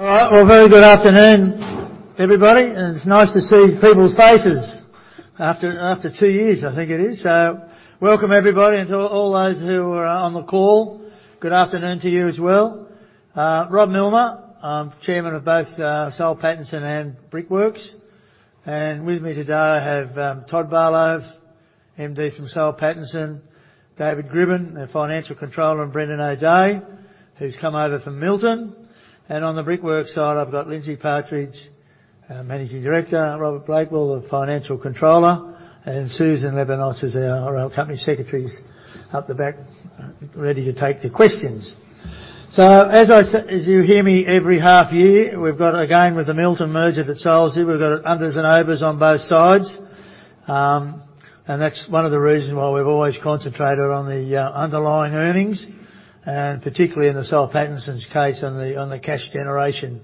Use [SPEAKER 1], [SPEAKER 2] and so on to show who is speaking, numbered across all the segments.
[SPEAKER 1] All right. Well, very good afternoon, everybody, and it's nice to see people's faces after two years, I think it is. Welcome everybody, and to all those who are on the call, good afternoon to you as well. Rob Millner, I'm Chairman of both Soul Pattinson and Brickworks. With me today, I have Todd Barlow, MD from Soul Pattinson, David Gribbon, our Financial Controller, and Brendan O'Dea, who's come over from Milton. On the Brickworks side, I've got Lindsay Partridge, our Managing Director, Robert Bakewell, the Financial Controller, and Susan Leppinus is our Company Secretary, up the back ready to take the questions. As you hear me every half year, we've got, again, with the Milton merger that Soul's here, we've got our unders and overs on both sides. That's one of the reasons why we've always concentrated on the underlying earnings, and particularly in the Soul Pattinson's case on the cash generation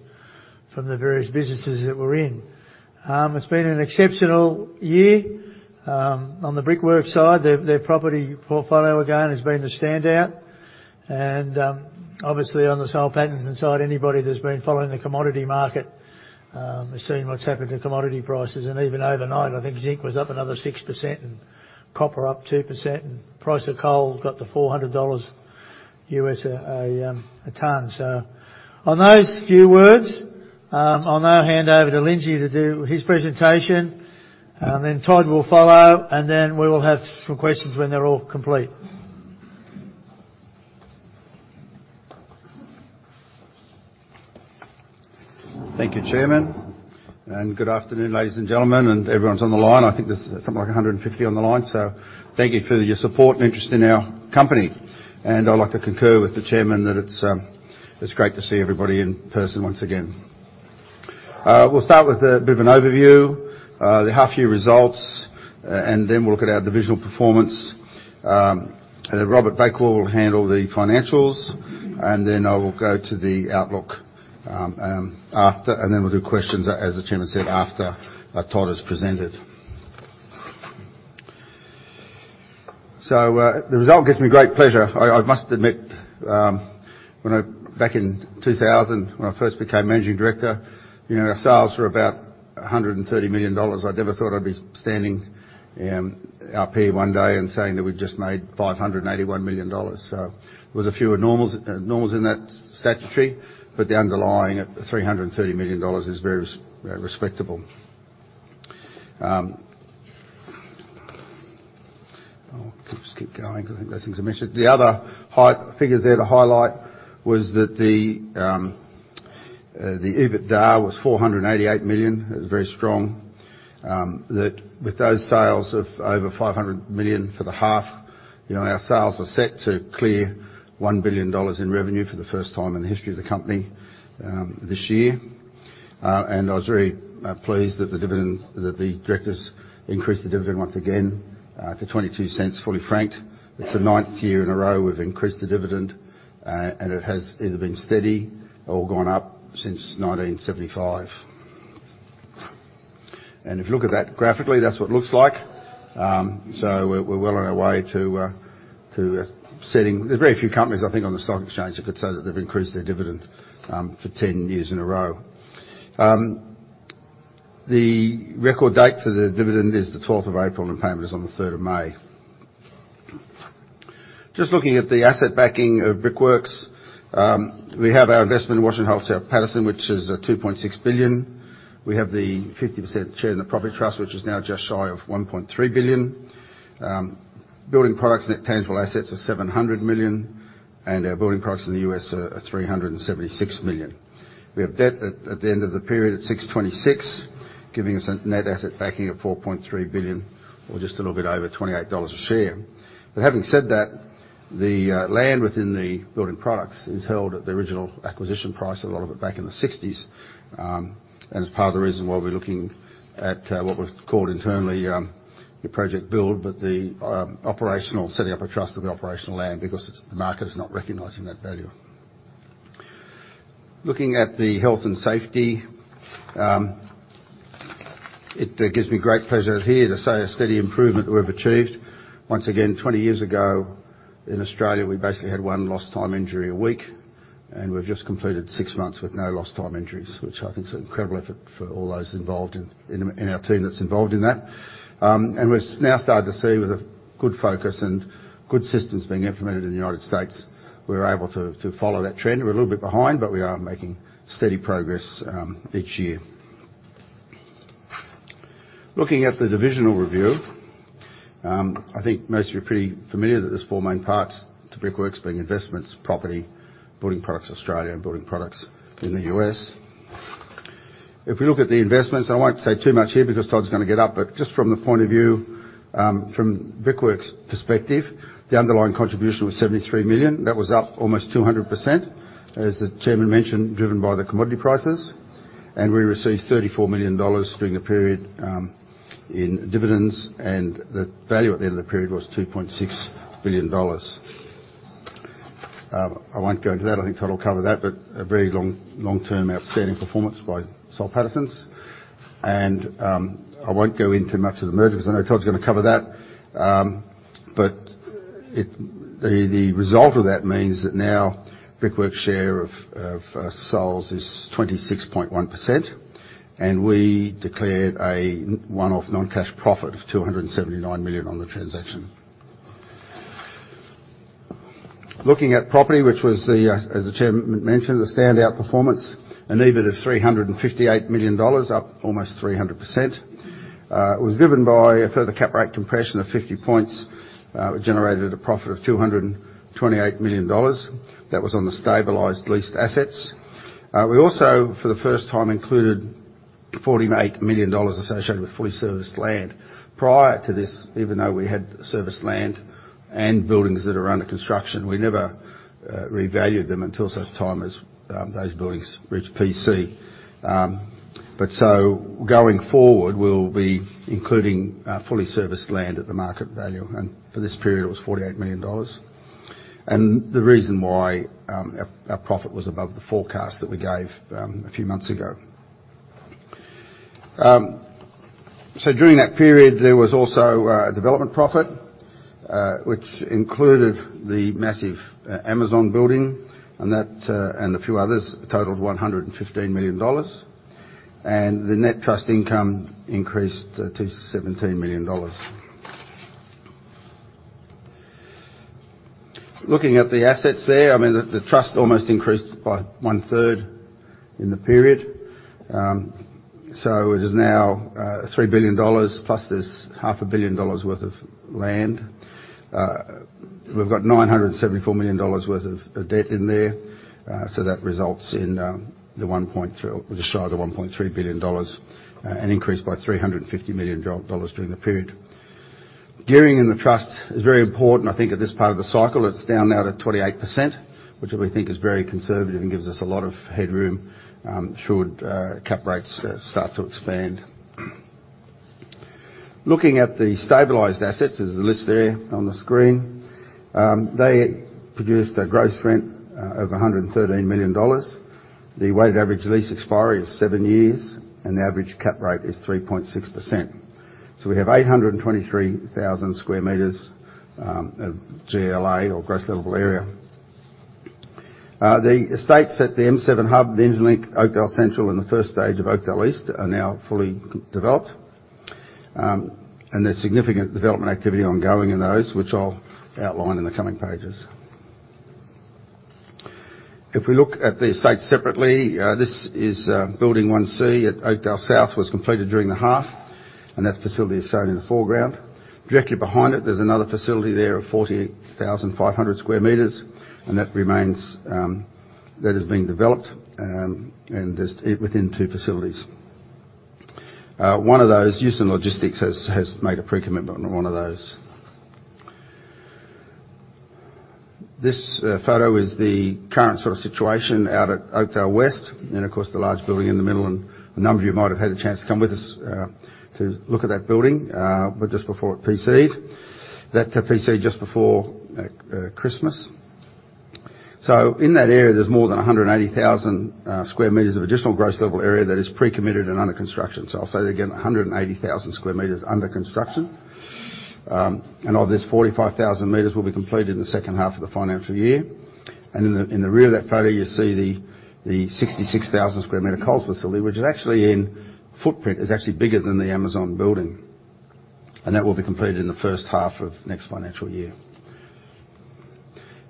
[SPEAKER 1] from the various businesses that we're in. It's been an exceptional year. On the Brickworks side, their property portfolio again has been the standout. Obviously on the Soul Pattinson side, anybody that's been following the commodity market has seen what's happened to commodity prices. Even overnight, I think zinc was up another 6% and copper up 2% and price of coal got to $400 a ton. On those few words, I'll now hand over to Lindsay to do his presentation, and then Todd will follow, and then we will have some questions when they're all complete.
[SPEAKER 2] Thank you, Chairman. Good afternoon, ladies and gentlemen, and everyone on the line. I think there's something like 150 on the line. Thank you for your support and interest in our company. I'd like to concur with the Chairman that it's great to see everybody in person once again. We'll start with a bit of an overview, the half year results, and then we'll look at our divisional performance. Robert Bakewell will handle the financials, and then I will go to the outlook after, and then we'll do questions, as the chairman said, after Todd has presented. The result gives me great pleasure. I must admit, back in 2000, when I first became Managing Director, you know, our sales were about 130 million dollars. I never thought I'd be standing up here one day and saying that we just made 581 million dollars. There was a few abnormals, normals in that statutory, but the underlying at 330 million dollars is very respectable. I'll just keep going because I think there's things I mentioned. The other high figure there to highlight was that the EBITDA was 488 million. It was very strong. That, with those sales of over 500 million for the half, you know, our sales are set to clear 1 billion dollars in revenue for the first time in the history of the company this year. I was very pleased that the directors increased the dividend once again to 0.22 fully franked. It's the ninth year in a row we've increased the dividend, and it has either been steady or gone up since 1975. If you look at that graphically, that's what it looks like. We're well on our way to setting. There are very few companies, I think, on the stock exchange that could say that they've increased their dividend for 10 years in a row. The record date for the dividend is the 12th of April, and the payment is on the 3rd of May. Just looking at the asset backing of Brickworks. We have our investment in Washington H. Soul Pattinson, which is 2.6 billion. We have the 50% share in the property trust, which is now just shy of 1.3 billion. Building Products net tangible assets are 700 million, and our Building Products in the U.S. are 376 million. We have debt at the end of the period at 626 million, giving us a net asset backing of 4.3 billion or just a little bit over 28 dollars a share. Having said that, the land within the Building Products is held at the original acquisition price, a lot of it back in the 60s, and it's part of the reason why we're looking at what we've called internally the project build, the operational setting up a trust of the operational land because the market is not recognizing that value. Looking at the health and safety, it gives me great pleasure here to say a steady improvement we've achieved. Once again, 20 years ago in Australia, we basically had one lost time injury a week, and we've just completed six months with no lost time injuries, which I think is an incredible effort for all those involved in our team that's involved in that. We've now started to see with a good focus and good systems being implemented in the United States, we're able to follow that trend. We're a little bit behind, but we are making steady progress each year. Looking at the divisional review, I think most of you are pretty familiar that there's four main parts to Brickworks, being investments, property, Building Products Australia, and Building Products in the U.S. If we look at the investments, I won't say too much here because Todd's gonna get up, but just from the point of view from Brickworks' perspective, the underlying contribution was 73 million. That was up almost 200%, as the chairman mentioned, driven by the commodity prices. We received 34 million dollars during the period in dividends, and the value at the end of the period was 2.6 billion dollars. I won't go into that. I think Todd will cover that, but a very long-term outstanding performance by Soul Pattinson. I won't go into much of the mergers. I know Todd's gonna cover that. The result of that means that now Brickworks' share of Soul's is 26.1%, and we declared a one-off non-cash profit of 279 million on the transaction. Looking at property, which was the, as the Chairman mentioned, the standout performance, an EBIT of 358 million dollars, up almost 300%. It was driven by a further cap rate compression of 50 points, which generated a profit of 228 million dollars. That was on the stabilized leased assets. We also, for the first time, included 48 million dollars associated with fully serviced land. Prior to this, even though we had serviced land and buildings that are under construction, we never revalued them until such time as those buildings reached PC. Going forward, we'll be including fully serviced land at the market value, and for this period, it was 48 million dollars, and the reason why our profit was above the forecast that we gave a few months ago. During that period, there was also a development profit which included the massive Amazon building, and that and a few others totaled 115 million dollars. The net trust income increased to 17 million dollars. Looking at the assets there, I mean, the trust almost increased by 1/3 in the period. It is now 3 billion dollars, plus there's 500 million dollars worth of land. We've got 974 million dollars worth of debt in there. That results in the one point... Just shy of the 1.3 billion dollars, an increase by 350 million dollars during the period. Gearing in the trust is very important, I think, at this part of the cycle. It's down now to 28%, which we think is very conservative and gives us a lot of headroom should cap rates start to expand. Looking at the stabilized assets, there's a list there on the screen. They produced a gross rent of 113 million dollars. The weighted average lease expiry is seven years, and the average cap rate is 3.6%. So we have 823,000 sq m of GLA or Gross Leasable Area. The estates at the M7 Hub, the Interlink, Oakdale Central, and the first stage of Oakdale East are now fully developed. There's significant development activity ongoing in those, which I'll outline in the coming pages. If we look at the estates separately, this is building 1C at Oakdale South, was completed during the half, and that facility is shown in the foreground. Directly behind it, there's another facility there of 48,500 sq m, and that remains, that is being developed, and there are two facilities. One of those Houston Logistics has made a pre-commitment on one of those. This photo is the current sort of situation out at Oakdale West, and of course, the large building in the middle, and a number of you might have had the chance to come with us to look at that building, but just before it PC'd. That PC'd just before Christmas. In that area, there's more than 180,000 sq m of additional gross leasable area that is pre-committed and under construction. I'll say that again, 180,000 sq m under construction. Of this 45,000 sq m will be completed in the second half of the financial year. In the rear of that photo, you see the 66,000 sq m Coles facility, which is actually in footprint, is actually bigger than the Amazon building. That will be completed in the first half of next financial year.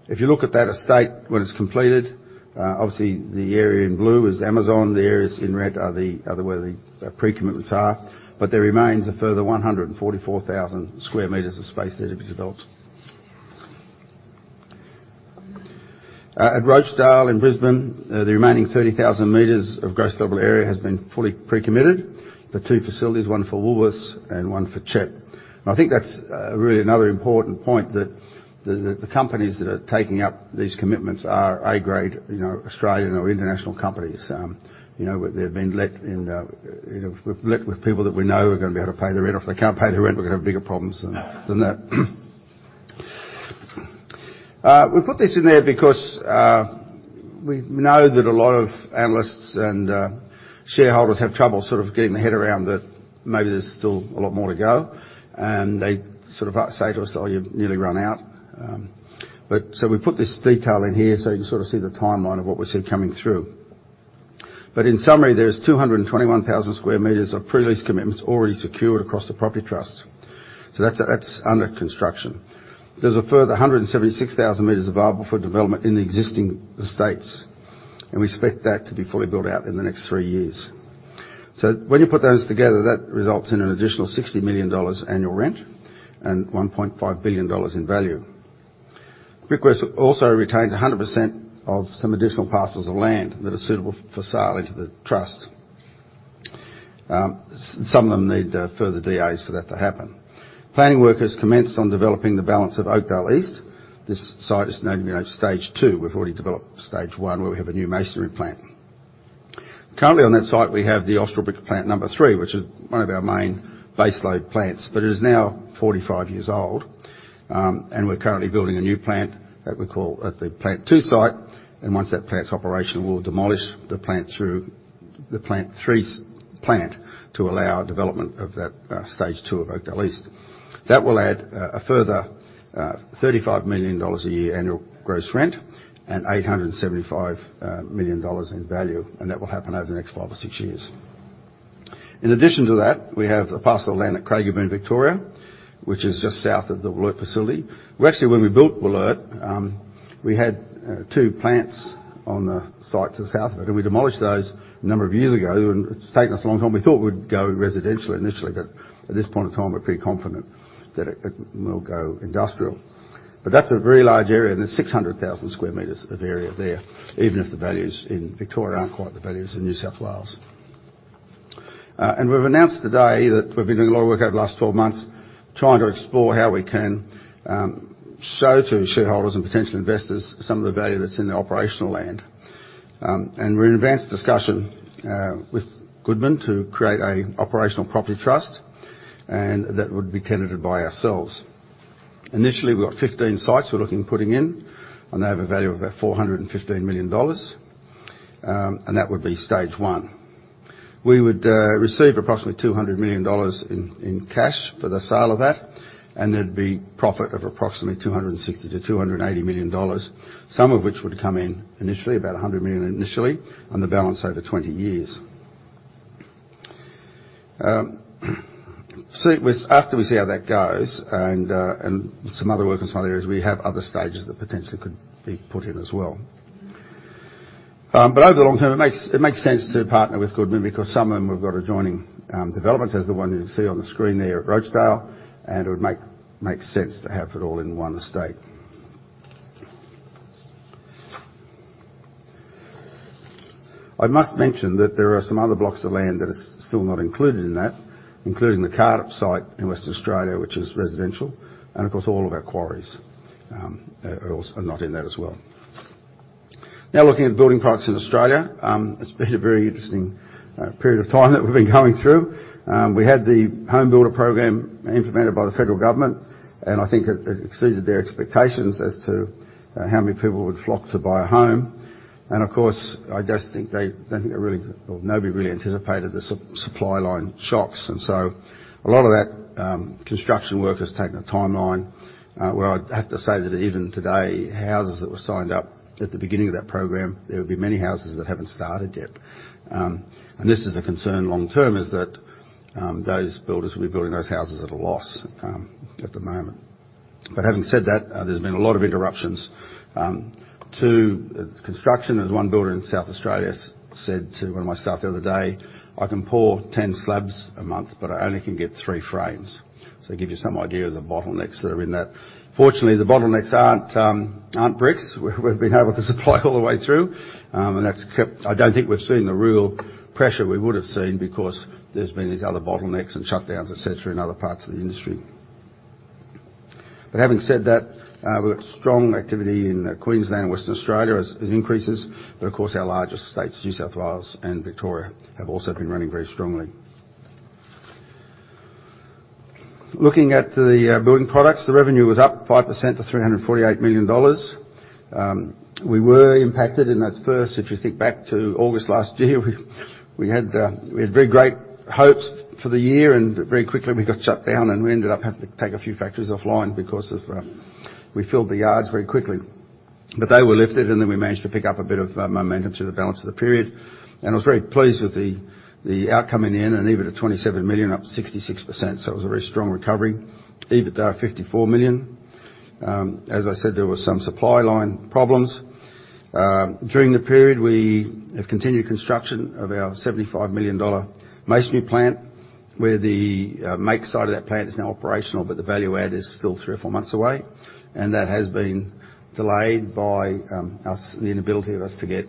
[SPEAKER 2] If you look at that estate when it's completed, obviously the area in blue is Amazon. The areas in red are where the pre-commitments are. There remains a further 144,000 sq m of space there to be developed. At Rochedale in Brisbane, the remaining 30,000 sq m of gross leasable area has been fully pre-committed. The two facilities, one for Woolworths and one for CHEP. I think that's really another important point that the companies that are taking up these commitments are A-grade, you know, Australian or international companies. You know, they're being let in, you know, we've let to people that we know are gonna be able to pay their rent. If they can't pay their rent, we're gonna have bigger problems than that. We put this in there because we know that a lot of analysts and shareholders have trouble sort of getting their head around that maybe there's still a lot more to go, and they sort of say to us, "Oh, you've nearly run out." We put this detail in here, so you can sort of see the timeline of what we see coming through. In summary, there is 221,000 sq m of pre-lease commitments already secured across the property trust. That's under construction. There's a further 176,000 sq m available for development in the existing estates, and we expect that to be fully built out in the next three years. When you put those together, that results in an additional 60 million dollars annual rent and 1.5 billion dollars in value. Brickworks also retains 100% of some additional parcels of land that are suitable for sale into the trust. Some of them need further DAs for that to happen. Planning work has commenced on developing the balance of Oakdale East. This site is now going into stage two. We've already developed stage one, where we have a new masonry plant. Currently on that site, we have the Austral Brick Plant number Three, which is one of our main baseload plants. It is now 45 years old, and we're currently building a new plant that we call at the Plant two site, and once that plant's operational, we'll demolish the plant through the Plant Three's plant to allow development of that, stage two of Oakdale East. That will add a further 35 million dollars a year annual gross rent and 875 million dollars in value, and that will happen over the next five or six years. In addition to that, we have a parcel of land at Craigieburn, Victoria, which is just south of the Werribee facility. Well, actually, when we built Werribee, we had two plants on the site to the south of it, and we demolished those a number of years ago, and it's taken us a long time. We thought we'd go residential initially, but at this point in time, we're pretty confident that it will go industrial. That's a very large area, and there's 600,000 sq m of area there, even if the values in Victoria aren't quite the values in New South Wales. We've announced today that we've been doing a lot of work over the last 12 months trying to explore how we can show to shareholders and potential investors some of the value that's in the operational land. We're in advanced discussion with Goodman to create a operational property trust and that would be tenanted by ourselves. Initially, we've got 15 sites we're looking at putting in, and they have a value of about 415 million dollars, and that would be stage one. We would receive approximately 200 million dollars in cash for the sale of that, and there'd be profit of approximately 260 million-280 million dollars. Some of which would come in initially, about 100 million initially, and the balance over 20 years. After we see how that goes and some other work in some other areas, we have other stages that potentially could be put in as well. But over the long term, it makes sense to partner with Goodman because some of them we've got adjoining developments as the one you can see on the screen there at Rochedale, and it would make sense to have it all in one estate. I must mention that there are some other blocks of land that are still not included in that, including the Cardup site in Western Australia, which is residential, and of course, all of our quarries are also not in that as well. Now, looking at building products in Australia, it's been a very interesting period of time that we've been going through. We had the HomeBuilder program implemented by the federal government, and I think it exceeded their expectations as to how many people would flock to buy a home. Of course, I just think they don't think they really or nobody really anticipated the supply chain shocks. A lot of that construction work has taken a timeline where I'd have to say that even today, houses that were signed up at the beginning of that program, there would be many houses that haven't started yet. This is a concern long term is that those builders will be building those houses at a loss at the moment. Having said that, there's been a lot of interruptions to construction. There's one builder in South Australia said to one of my staff the other day, "I can pour 10 slabs a month, but I only can get three frames." It gives you some idea of the bottlenecks that are in that. Fortunately, the bottlenecks aren't bricks. We've been able to supply all the way through, and that's kept... I don't think we've seen the real pressure we would have seen because there's been these other bottlenecks and shutdowns, et cetera, in other parts of the industry. Having said that, we have strong activity in Queensland, Western Australia, as it increases. Of course, our largest states, New South Wales and Victoria, have also been running very strongly. Looking at the building products, the revenue was up 5% to 348 million dollars. We were impacted in that first, if you think back to August last year, we had very great hopes for the year, and very quickly, we got shut down, and we ended up having to take a few factories offline because we filled the yards very quickly. They were lifted, and then we managed to pick up a bit of momentum through the balance of the period. I was very pleased with the outcome in the end, and EBITA 27 million, up 66%. It was a very strong recovery. EBITDA are 54 million. As I said, there was some supply chain problems. During the period, we have continued construction of our 75 million dollar masonry plant, where the main site of that plant is now operational, but the value add is still three or four months away. That has been delayed by our inability to get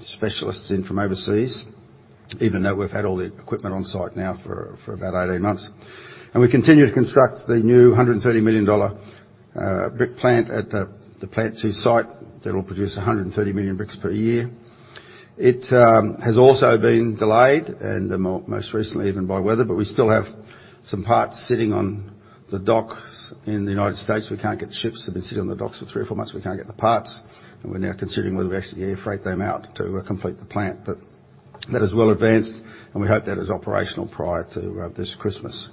[SPEAKER 2] specialists in from overseas, even though we've had all the equipment on site now for about 18 months. We continue to construct the new 130 million dollar brick plant at the Plant Two site that will produce 130 million bricks per year. It has also been delayed and most recently even by weather, but we still have some parts sitting on the docks in the United States. We can't get ships. They've been sitting on the docks for three or four months. We can't get the parts, and we're now considering whether we actually air freight them out to complete the plant. That is well advanced, and we hope that is operational prior to this Christmas.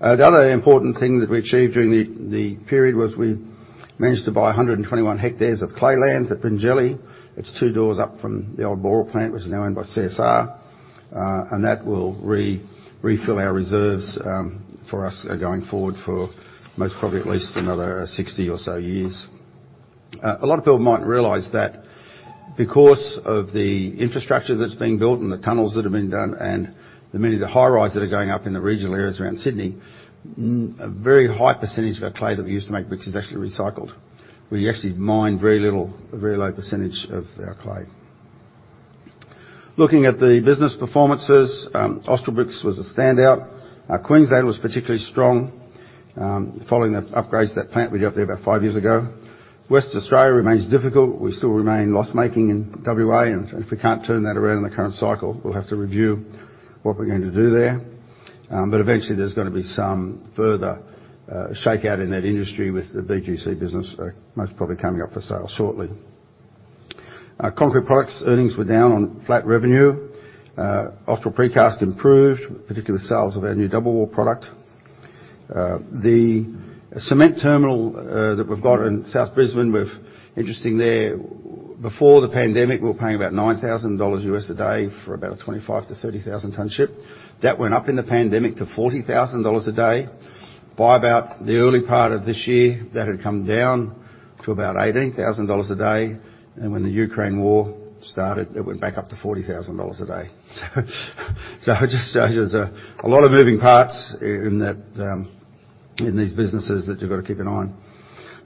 [SPEAKER 2] The other important thing that we achieved during the period was we managed to buy 121 hectares of clay lands at Bringelly. It's two doors up from the old Boral plant, which is now owned by CSR. That will re-refill our reserves, for us going forward for most probably at least another 60 or so years. A lot of people mightn't realize that because of the infrastructure that's being built and the tunnels that have been done and the many of the high-rise that are going up in the regional areas around Sydney, a very high percentage of our clay that we use to make bricks is actually recycled. We actually mine very little, a very low percentage of our clay. Looking at the business performances, Austral Bricks was a standout. Queensland was particularly strong. Following the upgrades to that plant we got there about five years ago. Western Australia remains difficult. We still remain loss-making in W.A., and if we can't turn that around in the current cycle, we'll have to review what we're going to do there. Eventually, there's gonna be some further shakeout in that industry with the BGC business most probably coming up for sale shortly. Our concrete products earnings were down on flat revenue. Austral Precast improved, particularly with sales of our new Double Wall product. The cement terminal that we've got in South Brisbane. Interesting there, before the pandemic, we were paying about $9,000 a day for about a 25,000-30,000 ton ship. That went up in the pandemic to $40,000 a day. By about the early part of this year, that had come down to about $18,000 a day. When the Ukraine War started, it went back up to $40,000 a day. There's a lot of moving parts in that, in these businesses that you've got to keep an eye on.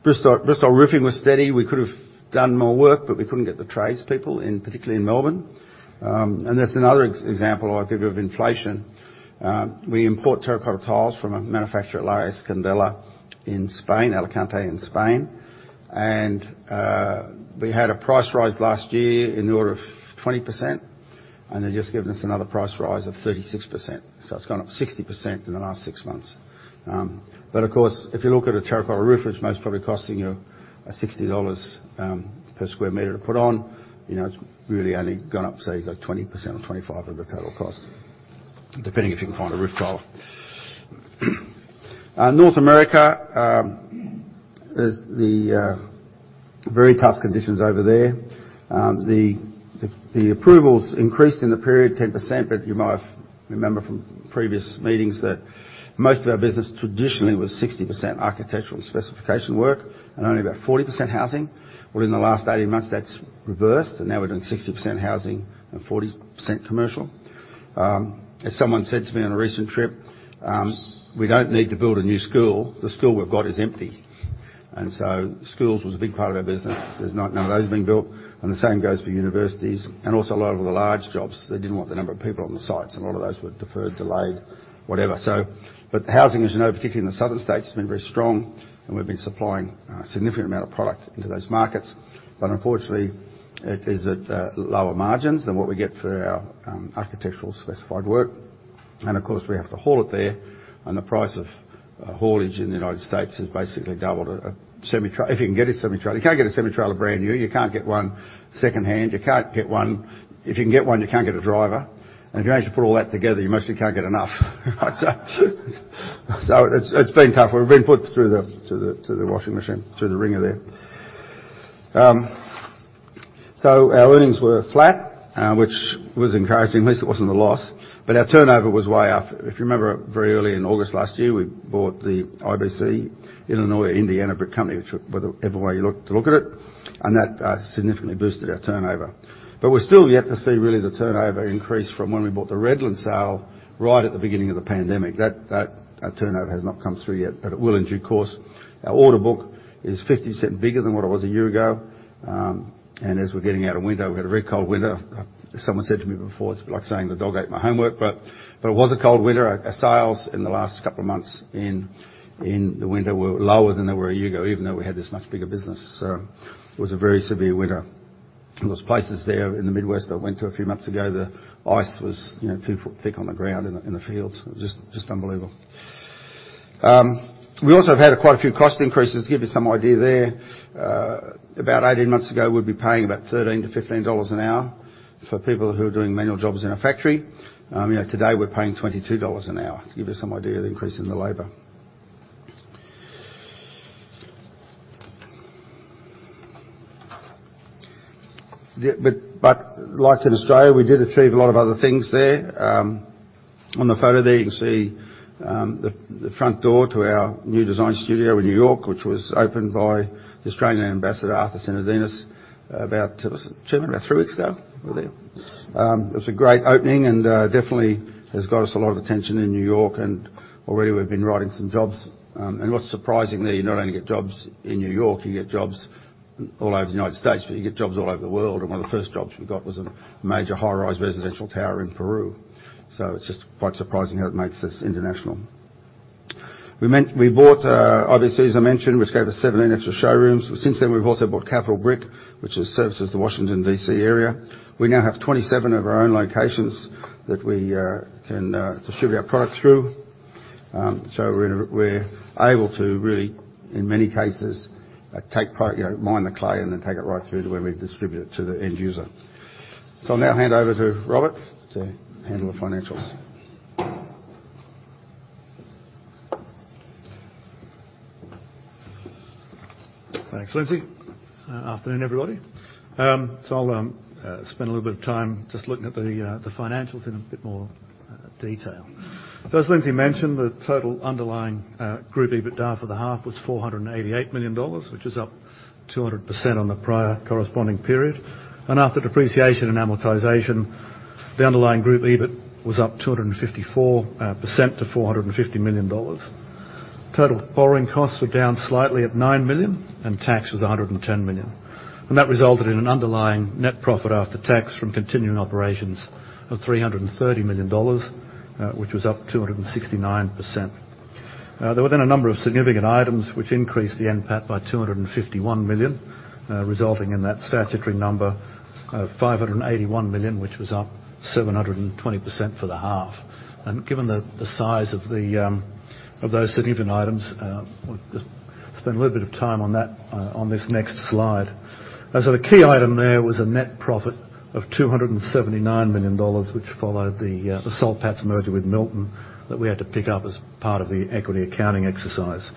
[SPEAKER 2] Bristile Roofing was steady. We could have done more work, but we couldn't get the tradespeople in, particularly in Melbourne. That's another example I'll give you of inflation. We import terracotta tiles from a manufacturer, La Escandella, in Spain, Alicante in Spain. We had a price rise last year in the order of 20%, and they've just given us another price rise of 36%. It's gone up 60% in the last six months. Of course, if you look at a terracotta roof, which is most probably costing you 60 dollars per square meter to put on, you know, it's really only gone up, say, like, 20% or 25% of the total cost, depending if you can find a roof tile. North America is in very tough conditions over there. The approvals increased in the period 10%, but you might remember from previous meetings that most of our business traditionally was 60% architectural and specification work, and only about 40% housing. Well, in the last 18 months, that's reversed, and now we're doing 60% housing and 40% commercial. As someone said to me on a recent trip, we don't need to build a new school. The school we've got is empty. Schools was a big part of our business. There's none of those being built, and the same goes for universities. Also, a lot of the large jobs, they didn't want the number of people on the sites. A lot of those were deferred, delayed, whatever. But housing, as you know, particularly in the southern states, has been very strong, and we've been supplying a significant amount of product into those markets. But unfortunately, it is at lower margins than what we get for our architecturally specified work. Of course, we have to haul it there. The price of haulage in the United States has basically doubled. If you can get a semi-trailer, you can't get a semi-trailer brand new. You can't get one secondhand. You can't get one. If you can get one, you can't get a driver. If you manage to put all that together, you mostly can't get enough. It's been tough. We've been put through the washing machine, through the wringer there. Our earnings were flat, which was encouraging. At least it wasn't a loss. Our turnover was way up. If you remember very early in August last year, we bought the IBC, Illinois Brick Company, which took every way you look at it, and that significantly boosted our turnover. We're still yet to see really the turnover increase from when we bought the Redland Brick right at the beginning of the pandemic. That turnover has not come through yet, but it will in due course. Our order book is 50% bigger than what it was a year ago. As we're getting out of winter, we had a very cold winter. Someone said to me before, "It's like saying the dog ate my homework," but it was a cold winter. Our sales in the last couple of months in the winter were lower than they were a year ago, even though we had this much bigger business. It was a very severe winter. There's places there in the Midwest I went to a few months ago, the ice was two feet thick on the ground in the fields. It was just unbelievable. We also have had quite a few cost increases. To give you some idea there, about 18 months ago, we'd be paying about $13-$15 an hour for people who are doing manual jobs in a factory. You know, today, we're paying $22 an hour to give you some idea of the increase in the labor. Like in Australia, we did achieve a lot of other things there. On the photo there, you can see the front door to our new design studio in New York, which was opened by the Australian Ambassador Arthur Sinodinos about, was it two months, about three weeks ago. Were they. It was a great opening and definitely has got us a lot of attention in New York, and already we've been winning some jobs. What's surprising there, you not only get jobs in New York, you get jobs all over the United States, but you get jobs all over the world. One of the first jobs we got was a major high-rise residential tower in Peru. It's just quite surprising how it makes us international. We bought IBC, as I mentioned, which gave us seven extra showrooms. Since then, we've also bought Capital Brick, which services the Washington, D.C. area. We now have 27 of our own locations that we can distribute our products through. We're able to really, in many cases, take, you know, mine the clay and then take it right through to where we distribute it to the end user. I'll now hand over to Robert to handle the financials.
[SPEAKER 3] Thanks, Lindsay. Afternoon, everybody. I'll spend a little bit of time just looking at the financials in a bit more detail. As Lindsay mentioned, the total underlying group EBITDA for the half was 488 million dollars, which is up 200% on the prior corresponding period. After depreciation and amortization, the underlying group EBIT was up 254% to 450 million dollars. Total borrowing costs were down slightly at 9 million, and tax was 110 million. That resulted in an underlying net profit after tax from continuing operations of 330 million dollars, which was up 269%. There were a number of significant items which increased the NPAT by 251 million, resulting in that statutory number of 581 million, which was up 720% for the half. Given the size of those significant items, we'll just spend a little bit of time on that on this next slide. The key item there was a net profit of 279 million dollars, which followed the Soul Pattinson's merger with Milton that we had to pick up as part of the equity accounting exercise.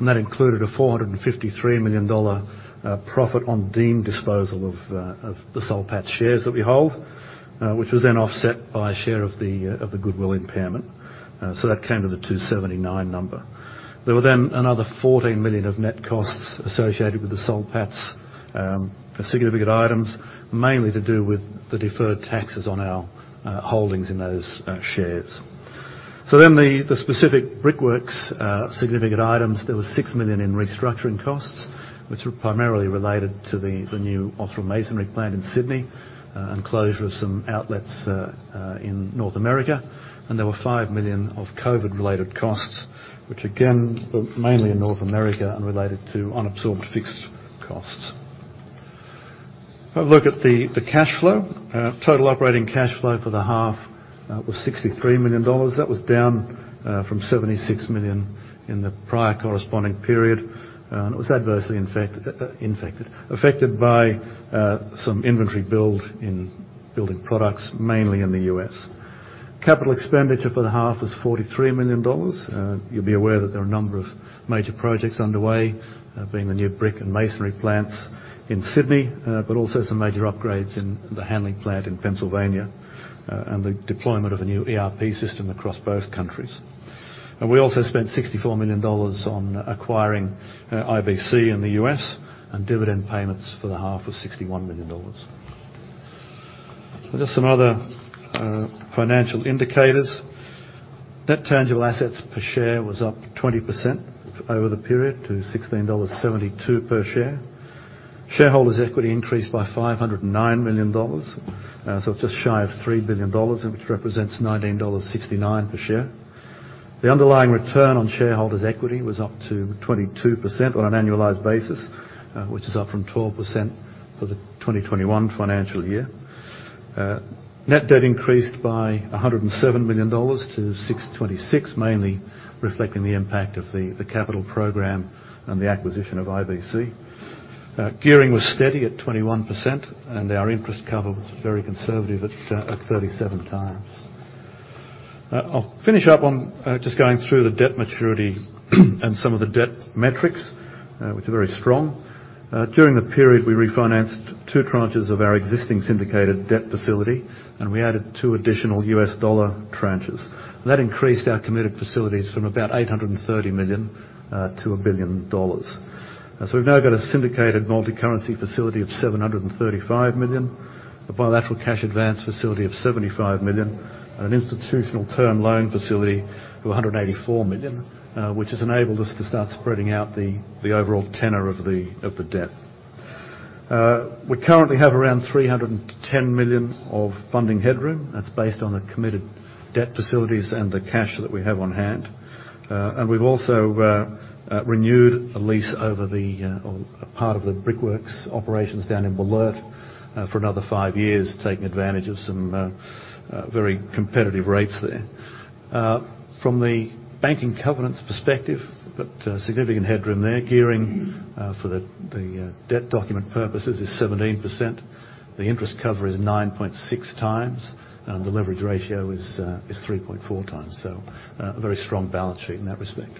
[SPEAKER 3] That included a 453 million dollar profit on deemed disposal of the Soul Pattinson shares that we hold, which was then offset by a share of the goodwill impairment. That came to the 279 million number. There were then another 14 million of net costs associated with the Soul Pattinson's significant items, mainly to do with the deferred taxes on our holdings in those shares. The specific Brickworks significant items, there was 6 million in restructuring costs, which were primarily related to the new Austral Masonry plant in Sydney and closure of some outlets in North America. There were 5 million of COVID-related costs, which again, were mainly in North America and related to unabsorbed fixed costs. If I look at the cash flow. Total operating cash flow for the half was 63 million dollars. That was down from 76 million in the prior corresponding period. It was adversely affected by some inventory build in building products, mainly in the U.S. Capital expenditure for the half was 43 million dollars. You'll be aware that there are a number of major projects underway, being the new brick and masonry plants in Sydney, but also some major upgrades in the handling plant in Pennsylvania, and the deployment of a new ERP system across both countries. We also spent 64 million dollars on acquiring IBC in the U.S., and dividend payments for the half was 61 million dollars. Just some other financial indicators. Net tangible assets per share was up 20% over the period to 16.72 dollars per share. Shareholders' equity increased by 509 million dollars, so just shy of 3 billion dollars, and which represents 19.69 dollars per share. The underlying return on shareholders' equity was up to 22% on an annualized basis, which is up from 12% for the 2021 financial year. Net debt increased by 107 million dollars to 626 million, mainly reflecting the impact of the capital program and the acquisition of IBC. Gearing was steady at 21%, and our interest cover was very conservative at 37x. I'll finish up on just going through the debt maturity and some of the debt metrics, which are very strong. During the period, we refinanced two tranches of our existing syndicated debt facility, and we added two additional U.S. dollar tranches. That increased our committed facilities from about 830 million to 1 billion dollars. We've now got a syndicated multicurrency facility of 735 million, a bilateral cash advance facility of 75 million, and an institutional term loan facility of 184 million, which has enabled us to start spreading out the overall tenor of the debt. We currently have around 310 million of funding headroom. That's based on the committed debt facilities and the cash that we have on hand. We've also renewed a lease over the part of the Brickworks operations down in Ballarat for another five years, taking advantage of some very competitive rates there. From the banking covenants perspective, we've got significant headroom there. Gearing for the debt document purposes is 17%. The interest cover is 9.6x, and the leverage ratio is 3.4x. A very strong balance sheet in that respect.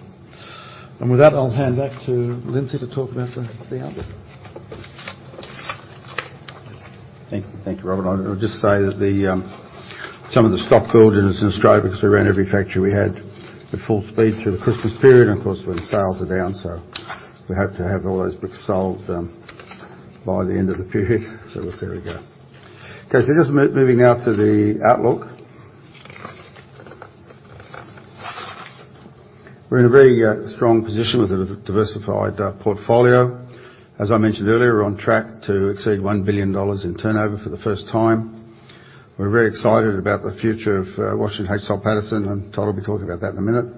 [SPEAKER 3] With that, I'll hand back to Lindsay to talk about the outlook.
[SPEAKER 2] Thank you. Thank you, Robert. I'll just say that some of the stock build is in Australia because we ran every factory we had at full speed through the Christmas period, and of course, when sales are down, so we have to have all those bricks sold by the end of the period. We'll see how we go. Okay. Just moving now to the outlook. We're in a very strong position with a diversified portfolio. As I mentioned earlier, we're on track to exceed 1 billion dollars in turnover for the first time. We're very excited about the future of Washington H. Soul Pattinson, and Todd will be talking about that in a minute.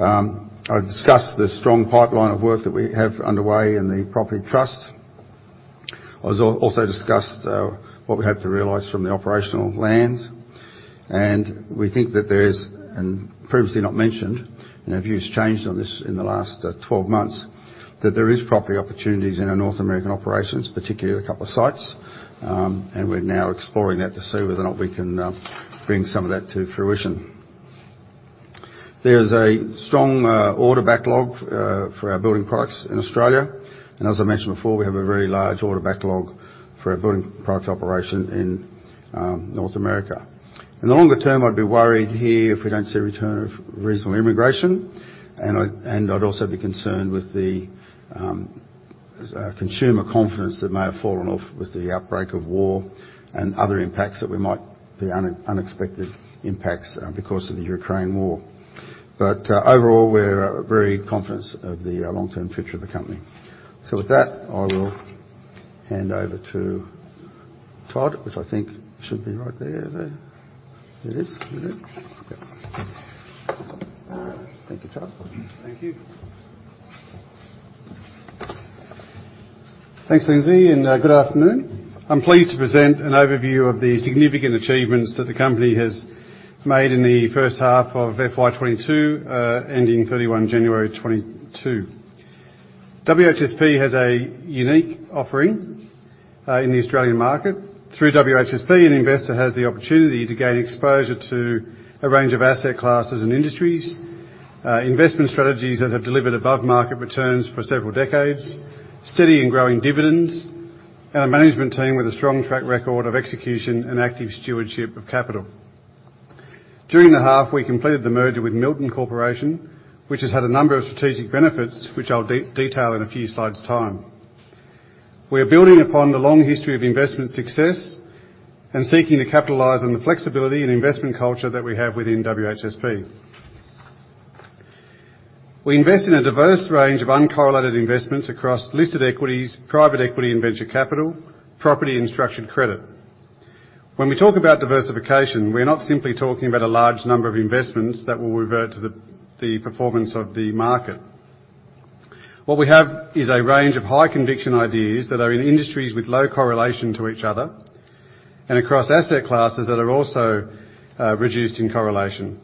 [SPEAKER 2] I discussed the strong pipeline of work that we have underway in the property trusts. I also discussed what we have to realize from the operational lands. We think that there is, and previously not mentioned, and our view has changed on this in the last 12 months, that there is property opportunities in our North American operations, particularly a couple of sites. We're now exploring that to see whether or not we can bring some of that to fruition. There's a strong order backlog for our building products in Australia. As I mentioned before, we have a very large order backlog for our building product operation in North America. In the longer term, I'd be worried here if we don't see a return of reasonable immigration. I'd also be concerned with the consumer confidence that may have fallen off with the outbreak of war and other impacts, the unexpected impacts because of the Ukraine war. Overall, we're very confident of the long-term future of the company. With that, I will hand over to Todd, which I think should be right there. Is it? There it is. Okay. Thank you, Todd.
[SPEAKER 4] Thank you. Thanks, Lindsay, and good afternoon. I'm pleased to present an overview of the significant achievements that the company has made in the first half of FY 2022, ending 31 January 2022. WHSP has a unique offering in the Australian market. Through WHSP, an investor has the opportunity to gain exposure to a range of asset classes and industries, investment strategies that have delivered above-market returns for several decades, steady and growing dividends, and a management team with a strong track record of execution and active stewardship of capital. During the half, we completed the merger with Milton Corporation, which has had a number of strategic benefits, which I'll detail in a few slides' time. We are building upon the long history of investment success and seeking to capitalize on the flexibility and investment culture that we have within WHSP. We invest in a diverse range of uncorrelated investments across listed equities, private equity and venture capital, property and structured credit. When we talk about diversification, we're not simply talking about a large number of investments that will revert to the performance of the market. What we have is a range of high conviction ideas that are in industries with low correlation to each other and across asset classes that are also reduced in correlation.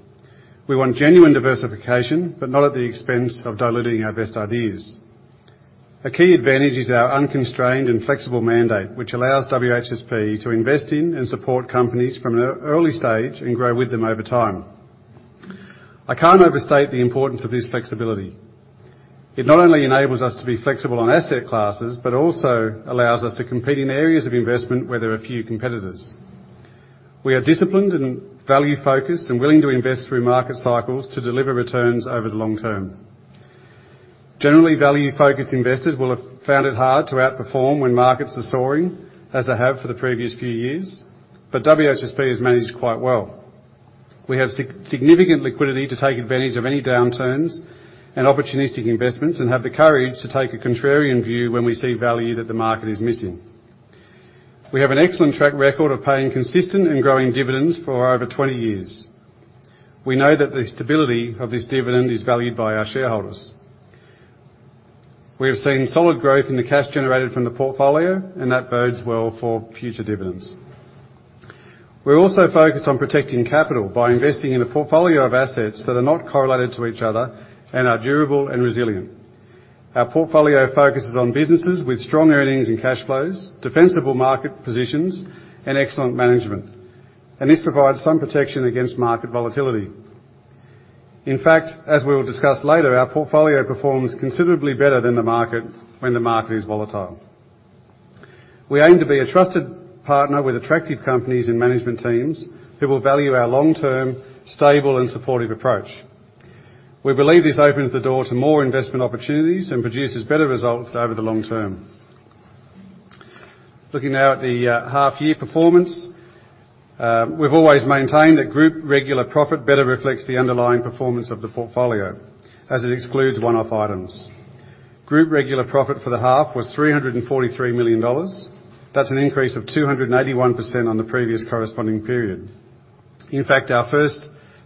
[SPEAKER 4] We want genuine diversification, but not at the expense of diluting our best ideas. A key advantage is our unconstrained and flexible mandate, which allows WHSP to invest in and support companies from an early stage and grow with them over time. I can't overstate the importance of this flexibility. It not only enables us to be flexible on asset classes, but also allows us to compete in areas of investment where there are few competitors. We are disciplined and value-focused and willing to invest through market cycles to deliver returns over the long term. Generally, value-focused investors will have found it hard to outperform when markets are soaring, as they have for the previous few years, but WHSP has managed quite well. We have significant liquidity to take advantage of any downturns and opportunistic investments, and have the courage to take a contrarian view when we see value that the market is missing. We have an excellent track record of paying consistent and growing dividends for over 20 years. We know that the stability of this dividend is valued by our shareholders. We have seen solid growth in the cash generated from the portfolio, and that bodes well for future dividends. We're also focused on protecting capital by investing in a portfolio of assets that are not correlated to each other and are durable and resilient. Our portfolio focuses on businesses with strong earnings and cash flows, defensible market positions, and excellent management. This provides some protection against market volatility. In fact, as we will discuss later, our portfolio performs considerably better than the market when the market is volatile. We aim to be a trusted partner with attractive companies and management teams who will value our long-term, stable and supportive approach. We believe this opens the door to more investment opportunities and produces better results over the long term. Looking now at the half year performance. We've always maintained that group regular profit better reflects the underlying performance of the portfolio, as it excludes one-off items. Group regular profit for the half was 343 million dollars. That's an increase of 281% on the previous corresponding period. In fact, our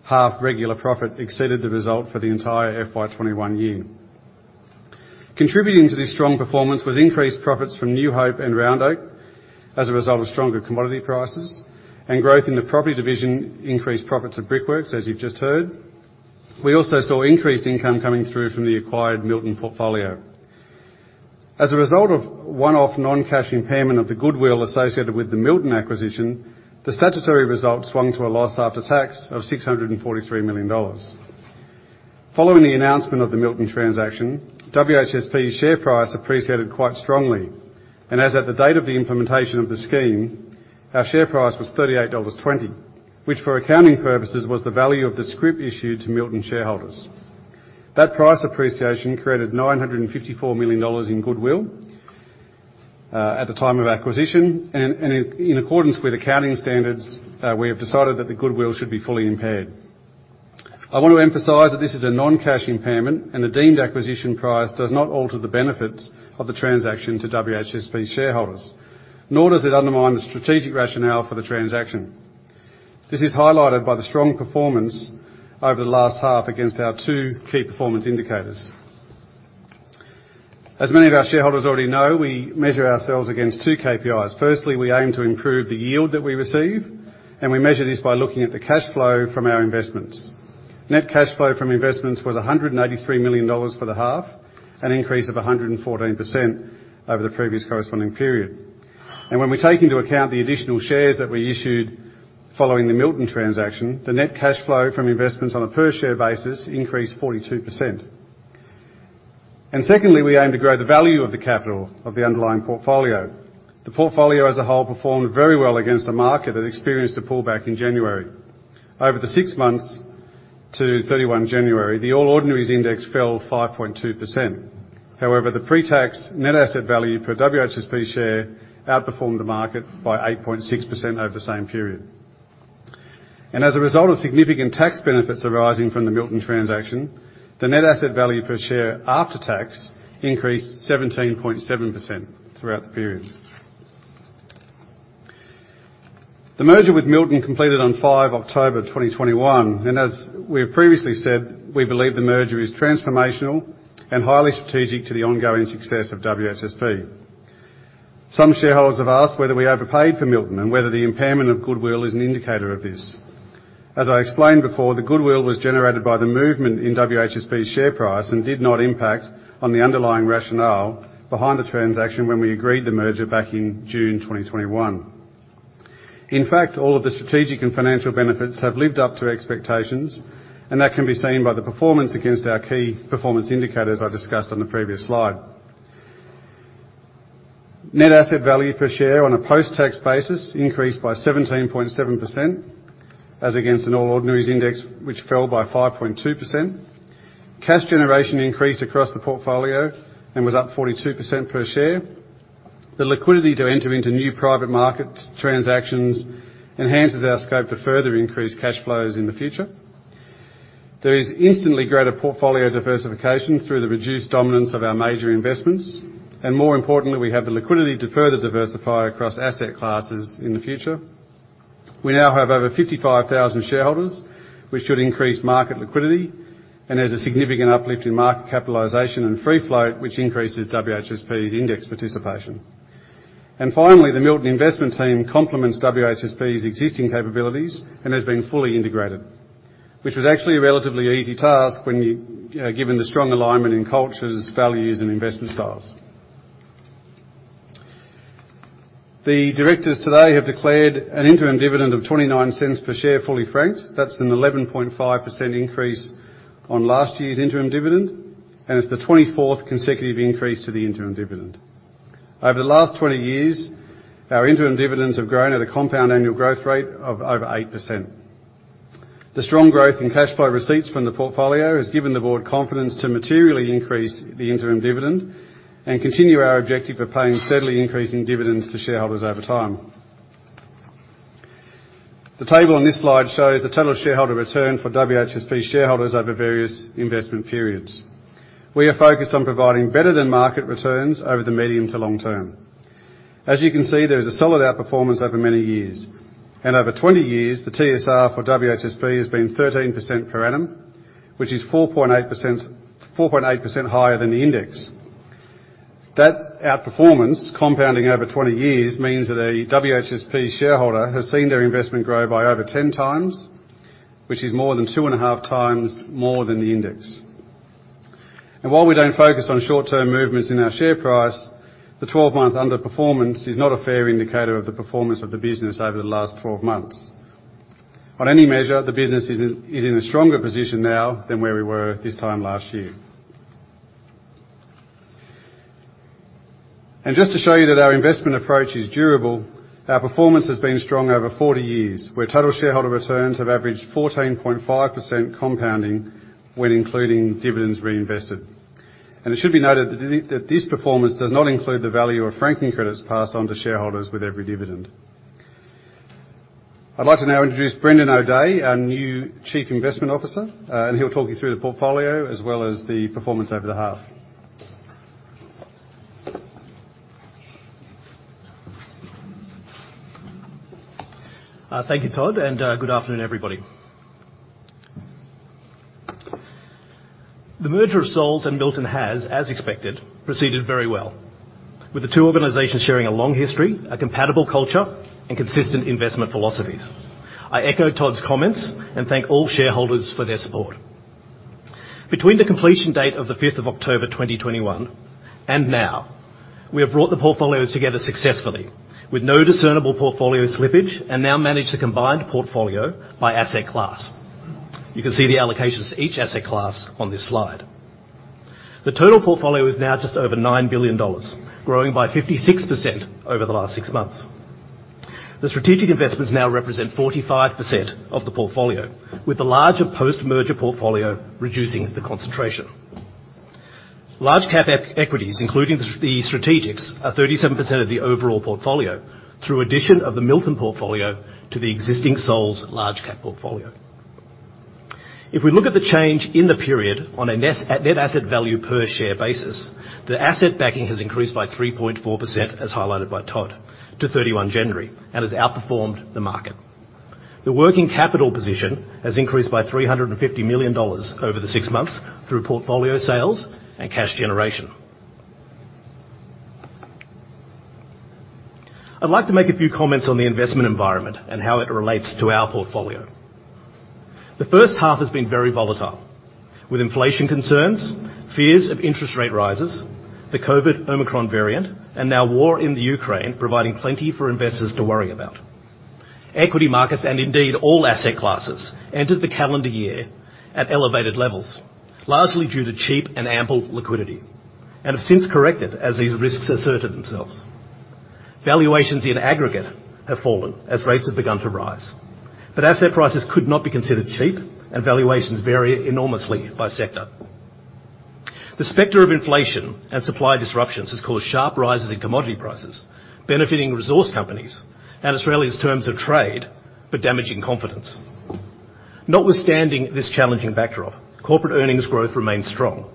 [SPEAKER 4] first half regular profit exceeded the result for the entire FY 2021 year. Contributing to this strong performance was increased profits from New Hope and Round Oak as a result of stronger commodity prices, and growth in the property division increased profits at Brickworks, as you've just heard. We also saw increased income coming through from the acquired Milton portfolio. As a result of one-off non-cash impairment of the goodwill associated with the Milton acquisition, the statutory result swung to a loss after tax of 643 million dollars. Following the announcement of the Milton transaction, WHSP's share price appreciated quite strongly, and as at the date of the implementation of the scheme, our share price was 38.20 dollars, which for accounting purposes was the value of the scrip issued to Milton shareholders. That price appreciation created 954 million dollars in goodwill at the time of acquisition, and in accordance with accounting standards, we have decided that the goodwill should be fully impaired. I want to emphasize that this is a non-cash impairment, and the deemed acquisition price does not alter the benefits of the transaction to WHSP shareholders, nor does it undermine the strategic rationale for the transaction. This is highlighted by the strong performance over the last half against our two key performance indicators. As many of our shareholders already know, we measure ourselves against two KPIs. Firstly, we aim to improve the yield that we receive, and we measure this by looking at the cash flow from our investments. Net cash flow from investments was 183 million dollars for the half, an increase of 114% over the previous corresponding period. When we take into account the additional shares that we issued following the Milton transaction, the net cash flow from investments on a per share basis increased 42%. Secondly, we aim to grow the value of the capital of the underlying portfolio. The portfolio as a whole performed very well against a market that experienced a pullback in January. Over the six months to 31 January, the All Ordinaries Index fell 5.2%. However, the pre-tax net asset value per WHSP share outperformed the market by 8.6% over the same period. As a result of significant tax benefits arising from the Milton transaction, the net asset value per share after tax increased 17.7% throughout the period. The merger with Milton completed on 5 October 2021, and as we have previously said, we believe the merger is transformational and highly strategic to the ongoing success of WHSP. Some shareholders have asked whether we overpaid for Milton and whether the impairment of goodwill is an indicator of this. As I explained before, the goodwill was generated by the movement in WHSP share price and did not impact on the underlying rationale behind the transaction when we agreed the merger back in June 2021. In fact, all of the strategic and financial benefits have lived up to expectations, and that can be seen by the performance against our key performance indicators I discussed on the previous slide. Net asset value per share on a post-tax basis increased by 17.7% as against an All Ordinaries Index, which fell by 5.2%. Cash generation increased across the portfolio and was up 42% per share. The liquidity to enter into new private market transactions enhances our scope to further increase cash flows in the future. There is instantly greater portfolio diversification through the reduced dominance of our major investments, and more importantly, we have the liquidity to further diversify across asset classes in the future. We now have over 55,000 shareholders, which should increase market liquidity, and there's a significant uplift in market capitalization and free float, which increases WHSP's index participation. Finally, the Milton investment team complements WHSP's existing capabilities and has been fully integrated, which was actually a relatively easy task, given the strong alignment in cultures, values, and investment styles. The directors today have declared an interim dividend of 0.29 per share, fully franked. That's an 11.5% increase on last year's interim dividend, and it's the 24th consecutive increase to the interim dividend. Over the last 20 years, our interim dividends have grown at a compound annual growth rate of over 8%. The strong growth in cash flow receipts from the portfolio has given the board confidence to materially increase the interim dividend and continue our objective of paying steadily increasing dividends to shareholders over time. The table on this slide shows the total shareholder return for WHSP shareholders over various investment periods. We are focused on providing better-than-market returns over the medium to long term. As you can see, there is a solid outperformance over many years. Over 20 years, the TSR for WHSP has been 13% per annum, which is 4.8% higher than the index. That outperformance compounding over 20 years means that a WHSP shareholder has seen their investment grow by over 10x, which is more than 2.5x more than the index. While we don't focus on short-term movements in our share price, the 12-month underperformance is not a fair indicator of the performance of the business over the last 12 months. On any measure, the business is in a stronger position now than where we were this time last year. Just to show you that our investment approach is durable, our performance has been strong over 40 years, where total shareholder returns have averaged 14.5% compounding when including dividends reinvested. It should be noted that this performance does not include the value of franking credits passed on to shareholders with every dividend. I'd like to now introduce Brendan O'Dea, our new Chief Investment Officer, and he'll talk you through the portfolio as well as the performance over the half.
[SPEAKER 5] Thank you, Todd, and good afternoon, everybody. The merger of Soul Pattinson and Milton has, as expected, proceeded very well, with the two organizations sharing a long history, a compatible culture, and consistent investment philosophies. I echo Todd's comments and thank all shareholders for their support. Between the completion date of the 5th of October 2021 and now, we have brought the portfolios together successfully with no discernible portfolio slippage and now manage the combined portfolio by asset class. You can see the allocations to each asset class on this slide. The total portfolio is now just over 9 billion dollars, growing by 56% over the last six months. The strategic investments now represent 45% of the portfolio, with the larger post-merger portfolio reducing the concentration. Large cap equities, including the strategics, are 37% of the overall portfolio through addition of the Milton portfolio to the existing Soul's large cap portfolio. If we look at the change in the period on a net asset value per share basis, the asset backing has increased by 3.4%, as highlighted by Todd, to 31 January, and has outperformed the market. The working capital position has increased by 350 million dollars over the six months through portfolio sales and cash generation. I'd like to make a few comments on the investment environment and how it relates to our portfolio. The first half has been very volatile, with inflation concerns, fears of interest rate rises, the COVID Omicron variant, and now war in Ukraine providing plenty for investors to worry about. Equity markets, and indeed all asset classes, entered the calendar year at elevated levels, largely due to cheap and ample liquidity, and have since corrected as these risks asserted themselves. Valuations in aggregate have fallen as rates have begun to rise, but asset prices could not be considered cheap, and valuations vary enormously by sector. The specter of inflation and supply disruptions has caused sharp rises in commodity prices, benefiting resource companies and Australia's terms of trade, but damaging confidence. Notwithstanding this challenging backdrop, corporate earnings growth remains strong.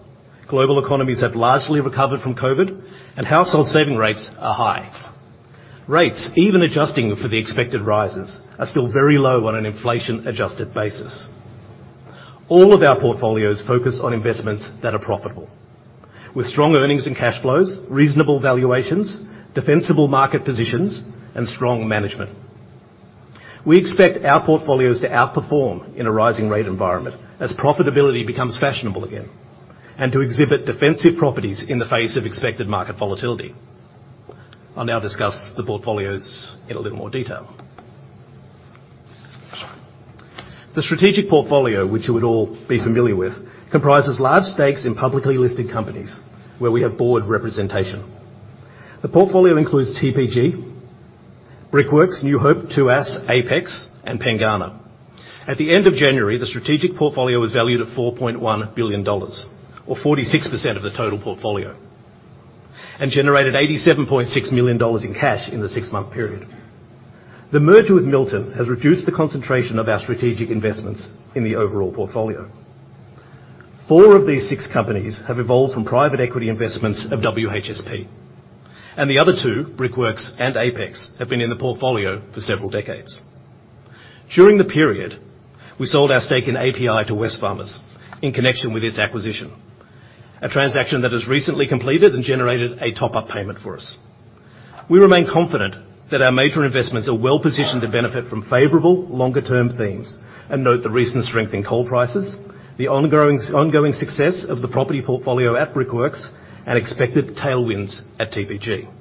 [SPEAKER 5] Global economies have largely recovered from COVID, and household saving rates are high. Rates, even adjusting for the expected rises, are still very low on an inflation-adjusted basis. All of our portfolios focus on investments that are profitable, with strong earnings and cash flows, reasonable valuations, defensible market positions, and strong management. We expect our portfolios to outperform in a rising rate environment as profitability becomes fashionable again, and to exhibit defensive properties in the face of expected market volatility. I'll now discuss the portfolios in a little more detail. The strategic portfolio, which you would all be familiar with, comprises large stakes in publicly listed companies where we have board representation. The portfolio includes TPG, Brickworks, New Hope, Tuas, Apex, and Pengana. At the end of January, the strategic portfolio was valued at 4.1 billion dollars or 46% of the total portfolio, and generated 87.6 million dollars in cash in the six-month period. The merger with Milton has reduced the concentration of our strategic investments in the overall portfolio. Four of these six companies have evolved from private equity investments of WHSP, and the other two, Brickworks and Apex, have been in the portfolio for several decades. During the period, we sold our stake in API to Wesfarmers in connection with its acquisition, a transaction that has recently completed and generated a top-up payment for us. We remain confident that our major investments are well-positioned to benefit from favorable longer-term themes, and note the recent strength in coal prices, the ongoing success of the property portfolio at Brickworks, and expected tailwinds at TPG.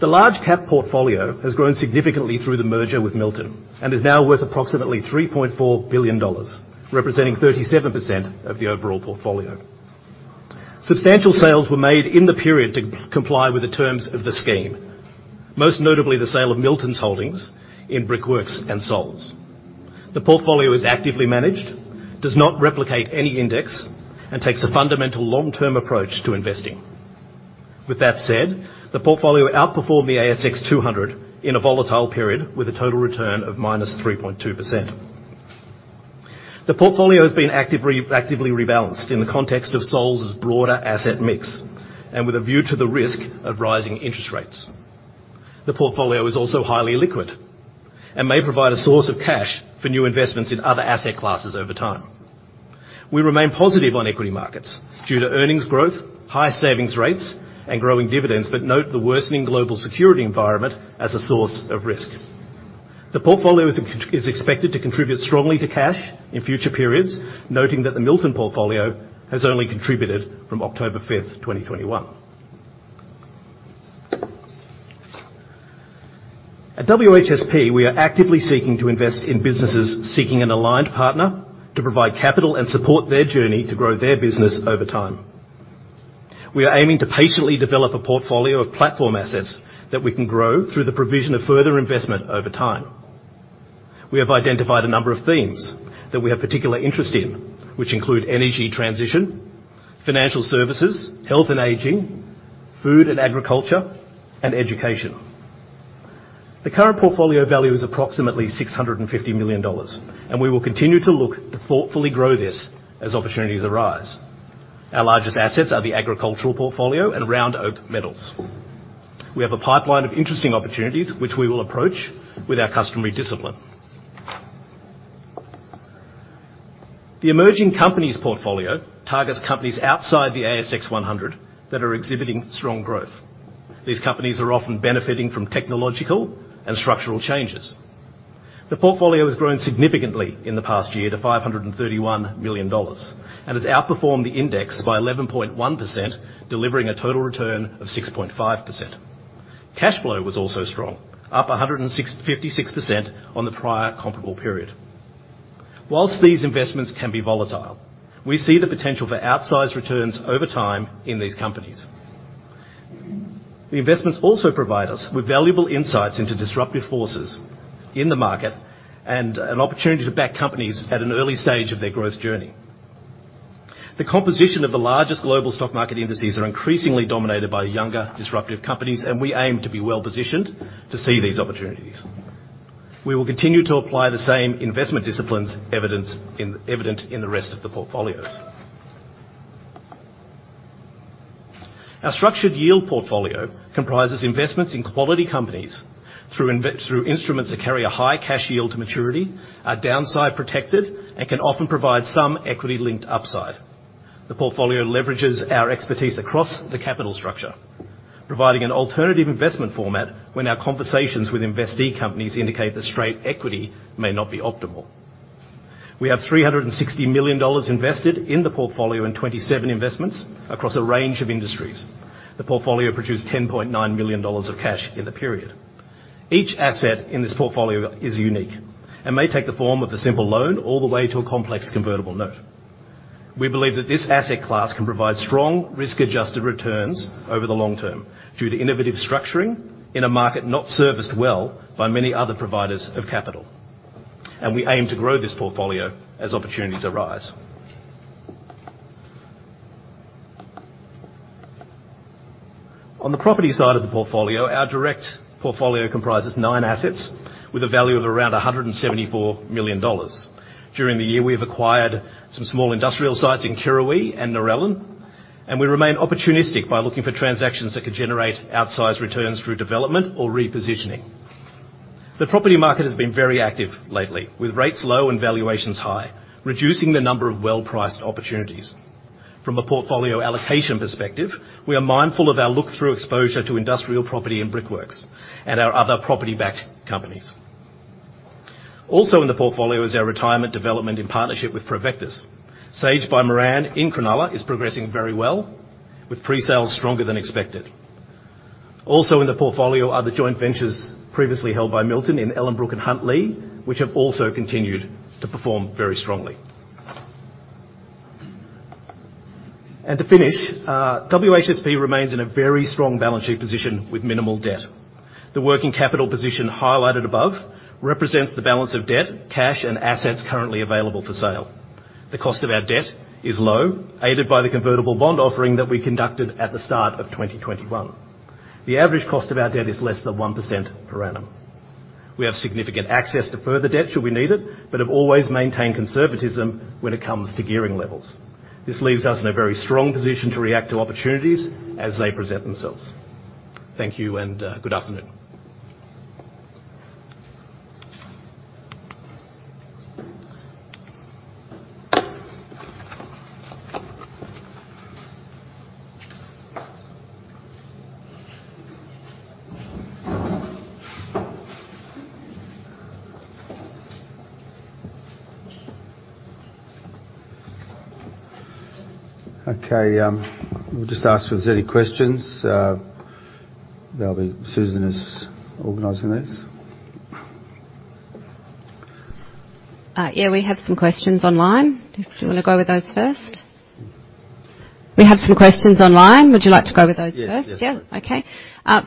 [SPEAKER 5] The large cap portfolio has grown significantly through the merger with Milton and is now worth approximately 3.4 billion dollars, representing 37% of the overall portfolio. Substantial sales were made in the period to comply with the terms of the scheme, most notably the sale of Milton's holdings in Brickworks and Soul's. The portfolio is actively managed, does not replicate any index, and takes a fundamental long-term approach to investing. With that said, the portfolio outperformed the ASX 200 in a volatile period with a total return of -3.2%. The portfolio has been actively rebalanced in the context of Soul's broader asset mix and with a view to the risk of rising interest rates. The portfolio is also highly liquid and may provide a source of cash for new investments in other asset classes over time. We remain positive on equity markets due to earnings growth, high savings rates, and growing dividends, but note the worsening global security environment as a source of risk. The portfolio is expected to contribute strongly to cash in future periods, noting that the Milton portfolio has only contributed from October 5th, 2021. At WHSP, we are actively seeking to invest in businesses seeking an aligned partner to provide capital and support their journey to grow their business over time. We are aiming to patiently develop a portfolio of platform assets that we can grow through the provision of further investment over time. We have identified a number of themes that we have particular interest in, which include energy transition, financial services, health and aging, food and agriculture, and education. The current portfolio value is approximately 650 million dollars, and we will continue to look to thoughtfully grow this as opportunities arise. Our largest assets are the agricultural portfolio and Round Oak Minerals. We have a pipeline of interesting opportunities which we will approach with our customary discipline. The emerging companies portfolio targets companies outside the ASX 100 that are exhibiting strong growth. These companies are often benefiting from technological and structural changes. The portfolio has grown significantly in the past year to 531 million dollars and has outperformed the index by 11.1%, delivering a total return of 6.5%. Cash flow was also strong, up 156% on the prior comparable period. While these investments can be volatile, we see the potential for outsized returns over time in these companies. The investments also provide us with valuable insights into disruptive forces in the market and an opportunity to back companies at an early stage of their growth journey. The composition of the largest global stock market indices are increasingly dominated by younger, disruptive companies, and we aim to be well-positioned to see these opportunities. We will continue to apply the same investment disciplines evident in the rest of the portfolios. Our structured yield portfolio comprises investments in quality companies through instruments that carry a high cash yield to maturity, are downside protected, and can often provide some equity-linked upside. The portfolio leverages our expertise across the capital structure, providing an alternative investment format when our conversations with investee companies indicate that straight equity may not be optimal. We have 360 million dollars invested in the portfolio and 27 investments across a range of industries. The portfolio produced 10.9 million dollars of cash in the period. Each asset in this portfolio is unique and may take the form of a simple loan all the way to a complex convertible note. We believe that this asset class can provide strong risk-adjusted returns over the long term due to innovative structuring in a market not serviced well by many other providers of capital. We aim to grow this portfolio as opportunities arise. On the property side of the portfolio, our direct portfolio comprises nine assets with a value of around 174 million dollars. During the year, we have acquired some small industrial sites in Kirrawee and Narellan, and we remain opportunistic by looking for transactions that could generate outsized returns through development or repositioning. The property market has been very active lately, with rates low and valuations high, reducing the number of well-priced opportunities. From a portfolio allocation perspective, we are mindful of our look-through exposure to industrial property and Brickworks and our other property-backed companies. Also in the portfolio is our retirement development in partnership with Provectus. Sage by Moran in Cronulla is progressing very well, with pre-sales stronger than expected. Also in the portfolio are the joint ventures previously held by Milton in Ellenbrook and Huntley, which have also continued to perform very strongly. To finish, WHSP remains in a very strong balance sheet position with minimal debt. The working capital position highlighted above represents the balance of debt, cash, and assets currently available for sale. The cost of our debt is low, aided by the convertible bond offering that we conducted at the start of 2021. The average cost of our debt is less than 1% per annum. We have significant access to further debt should we need it, but have always maintained conservatism when it comes to gearing levels. This leaves us in a very strong position to react to opportunities as they present themselves. Thank you, and, good afternoon.
[SPEAKER 2] Okay. We'll just ask if there's any questions. That'll be Susan is organizing this.
[SPEAKER 6] Yeah, we have some questions online. Would you like to go with those first?
[SPEAKER 2] Yes. Yes.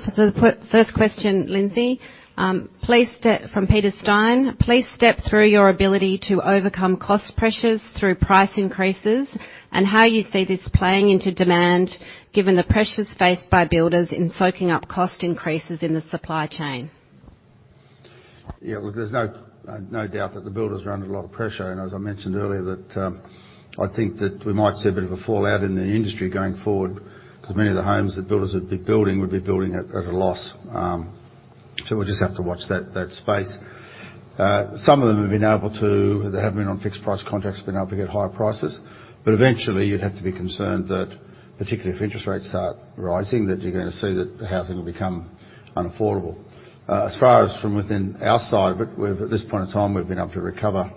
[SPEAKER 6] For the first question, Lindsay, from Peter Stein. Please step through your ability to overcome cost pressures through price increases and how you see this playing into demand given the pressures faced by builders in soaking up cost increases in the supply chain.
[SPEAKER 2] Yeah. Well, there's no doubt that the builders are under a lot of pressure. As I mentioned earlier that I think that we might see a bit of a fallout in the industry going forward because many of the homes that builders would be building at a loss. We'll just have to watch that space. Some of them have been able to. They have been on fixed price contracts, been able to get higher prices. Eventually, you'd have to be concerned that particularly if interest rates start rising, that you're gonna see that the housing will become unaffordable. As far as from within our side of it, at this point in time, we've been able to recover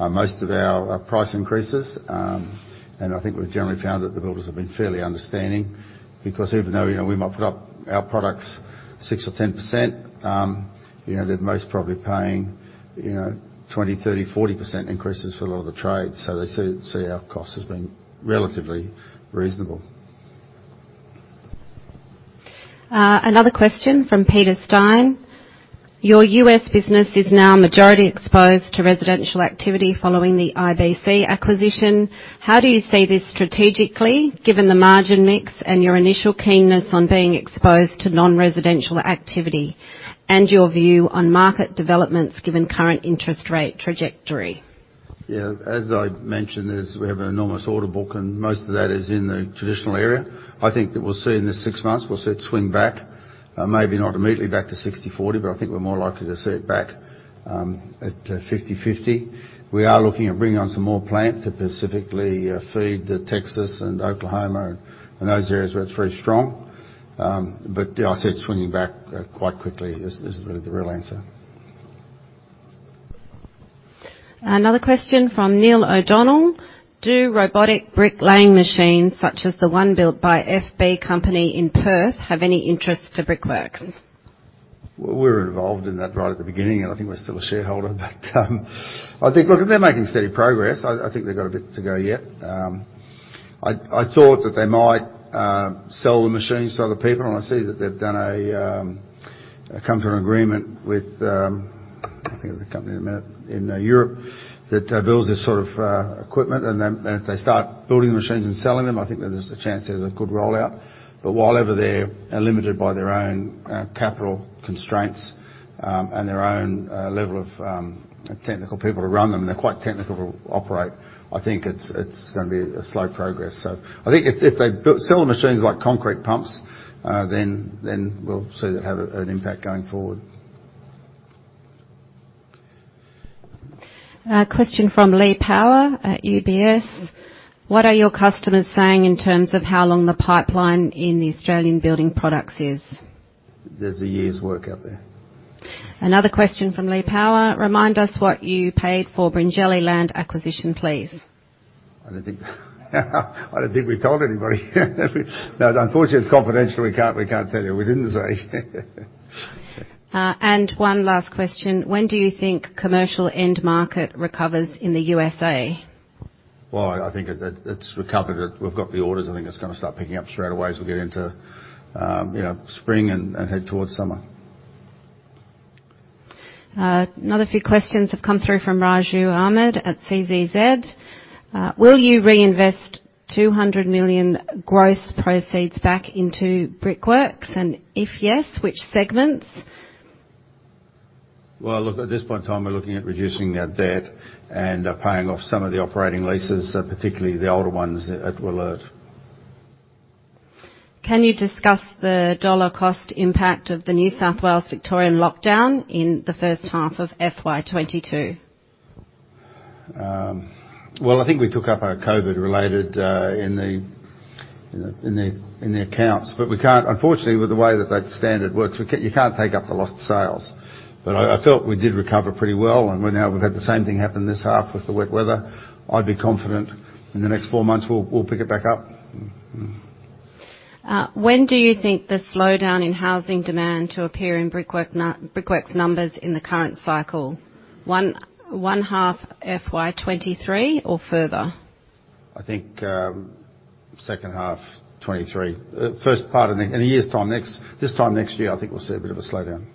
[SPEAKER 2] most of our price increases. I think we've generally found that the builders have been fairly understanding because even though, you know, we might put up our products 6% or 10%, you know, they're most probably paying, you know, 20%, 30%, 40% increases for a lot of the trades. So they see our cost as being relatively reasonable.
[SPEAKER 6] Another question from Peter Stein. Your U.S. business is now majority exposed to residential activity following the IBC acquisition. How do you see this strategically, given the margin mix and your initial keenness on being exposed to non-residential activity, and your view on market developments given current interest rate trajectory?
[SPEAKER 2] As I mentioned, we have an enormous order book, and most of that is in the traditional area. I think that we'll see it swing back in the six months, maybe not immediately back to 60/40, but I think we're more likely to see it back at 50/50. We are looking at bringing on some more plant to specifically feed the Texas and Oklahoma and those areas where it's very strong. But yeah, I see it swinging back quite quickly. This is really the real answer.
[SPEAKER 6] Another question from Neil O'Donnell. Do robotic bricklaying machines, such as the one built by FBR in Perth, have any interest to Brickworks?
[SPEAKER 2] We're involved in that right at the beginning, and I think we're still a shareholder. I think. Look, they're making steady progress. I think they've got a bit to go yet. I thought that they might sell the machines to other people, and I see that they've come to an agreement with think of the company in a minute, in Europe that builds this sort of equipment. Then if they start building the machines and selling them, I think that there's a chance there's a good rollout. While ever they're limited by their own capital constraints, and their own level of technical people to run them, they're quite technical to operate. I think it's gonna be a slow progress. I think if they sell the machines like concrete pumps, then we'll see that have an impact going forward.
[SPEAKER 6] Question from Lee Power at UBS. What are your customers saying in terms of how long the pipeline in the Australian Building Products is?
[SPEAKER 2] There's a year's work out there.
[SPEAKER 6] Another question from Lee Power. Remind us what you paid for Bringelly land acquisition, please?
[SPEAKER 2] I don't think we told anybody. No, unfortunately, it's confidential. We can't tell you. We didn't say.
[SPEAKER 6] One last question. When do you think commercial end market recovers in the U.S.A.?
[SPEAKER 2] Well, I think it's recovered. We've got the orders. I think it's gonna start picking up straight away as we get into you know, spring and head towards summer.
[SPEAKER 6] Another few questions have come through from Raju Ahmed at CCZ. Will you reinvest 200 million gross proceeds back into Brickworks? If yes, which segments?
[SPEAKER 2] Well, look, at this point in time, we're looking at reducing our debt and paying off some of the operating leases, particularly the older ones at Wollert.
[SPEAKER 6] Can you discuss the dollar cost impact of the New South Wales Victorian lockdown in the first half of FY 2022?
[SPEAKER 2] Well, I think we took up our COVID-related in the accounts. We can't. Unfortunately, with the way that standard works, you can't take up the lost sales. I felt we did recover pretty well, and we've had the same thing happen this half with the wet weather. I'd be confident in the next four months, we'll pick it back up.
[SPEAKER 6] When do you think the slowdown in housing demand to appear in Brickworks' numbers in the current cycle? One half FY 2023 or further?
[SPEAKER 2] I think second half 2023. First half in a year's time next. This time next year, I think we'll see a bit of a slowdown.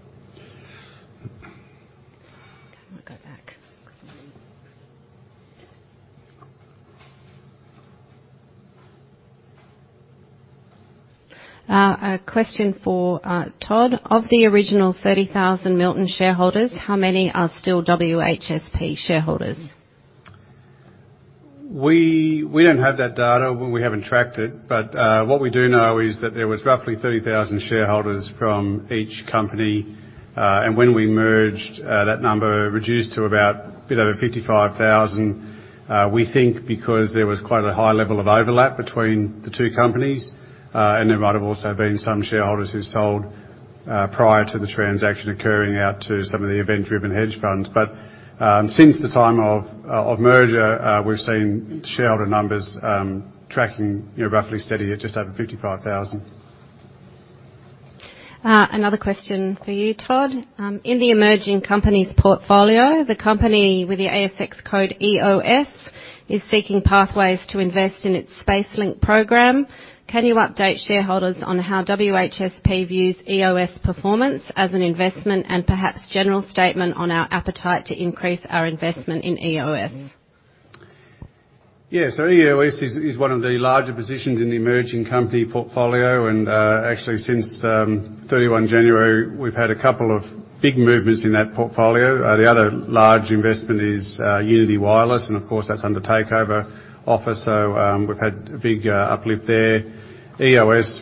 [SPEAKER 6] Okay. I'm gonna go back. A question for Todd. Of the original 30,000 Milton shareholders, how many are still WHSP shareholders?
[SPEAKER 4] We don't have that data. We haven't tracked it. What we do know is that there was roughly 30,000 shareholders from each company. And when we merged, that number reduced to about a bit over 55,000, we think because there was quite a high level of overlap between the two companies, and there might have also been some shareholders who sold prior to the transaction occurring out to some of the event-driven hedge funds. Since the time of merger, we've seen shareholder numbers tracking, you know, roughly steady at just over 55,000.
[SPEAKER 6] Another question for you, Todd. In the emerging company's portfolio, the company with the ASX code EOS is seeking pathways to invest in its SpaceLink program. Can you update shareholders on how WHSP views EOS performance as an investment and perhaps general statement on our appetite to increase our investment in EOS?
[SPEAKER 4] Yeah. EOS is one of the larger positions in the emerging company portfolio. Actually, since 31 January, we've had a couple of big movements in that portfolio. The other large investment is Uniti Group, and of course that's under takeover offer. We've had a big uplift there. EOS,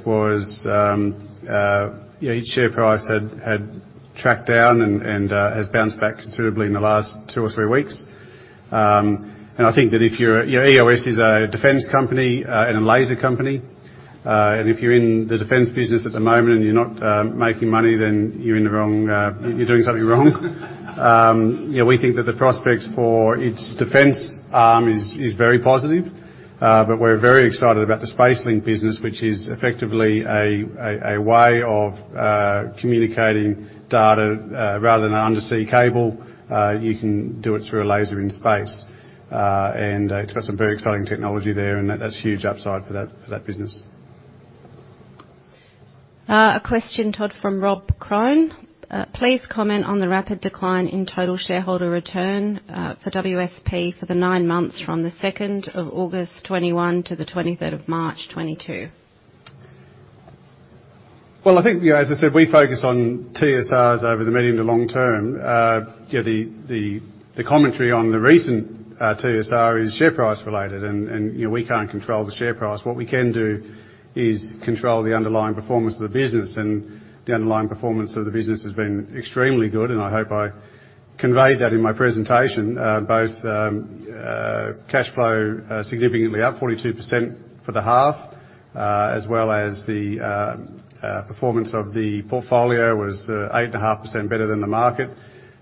[SPEAKER 4] its share price had tracked down and has bounced back considerably in the last two or three weeks. I think that EOS is a defense company and a laser company. If you're in the defense business at the moment and you're not making money, then you're in the wrong, you're doing something wrong. We think that the prospects for its defense arm is very positive. We're very excited about the SpaceLink business, which is effectively a way of communicating data. Rather than an undersea cable, you can do it through a laser in space. It's got some very exciting technology there, and that's huge upside for that business.
[SPEAKER 6] A question, Todd, from Rob Krone. Please comment on the rapid decline in total shareholder return for WHSP for the nine months from the 2nd of August 2021, to 23rd of March 2022.
[SPEAKER 4] Well, I think, you know, as I said, we focus on TSRs over the medium to long term. You know, the commentary on the recent TSR is share price related and, you know, we can't control the share price. What we can do is control the underlying performance of the business, and the underlying performance of the business has been extremely good, and I hope I conveyed that in my presentation. Both cash flow significantly up 42% for the half, as well as the performance of the portfolio was 8.5% better than the market.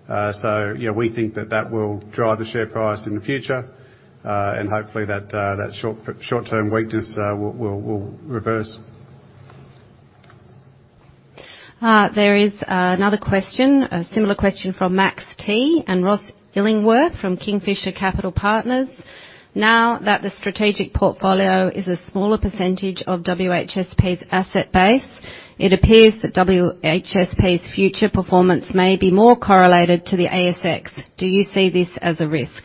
[SPEAKER 4] So, you know, we think that that will drive the share price in the future. Hopefully that short-term weakness will reverse.
[SPEAKER 6] There is another question, a similar question from Max Teh and Ross Illingworth from Kingfisher Capital Partners. Now that the strategic portfolio is a smaller percentage of WHSP's asset base, it appears that WHSP's future performance may be more correlated to the ASX. Do you see this as a risk?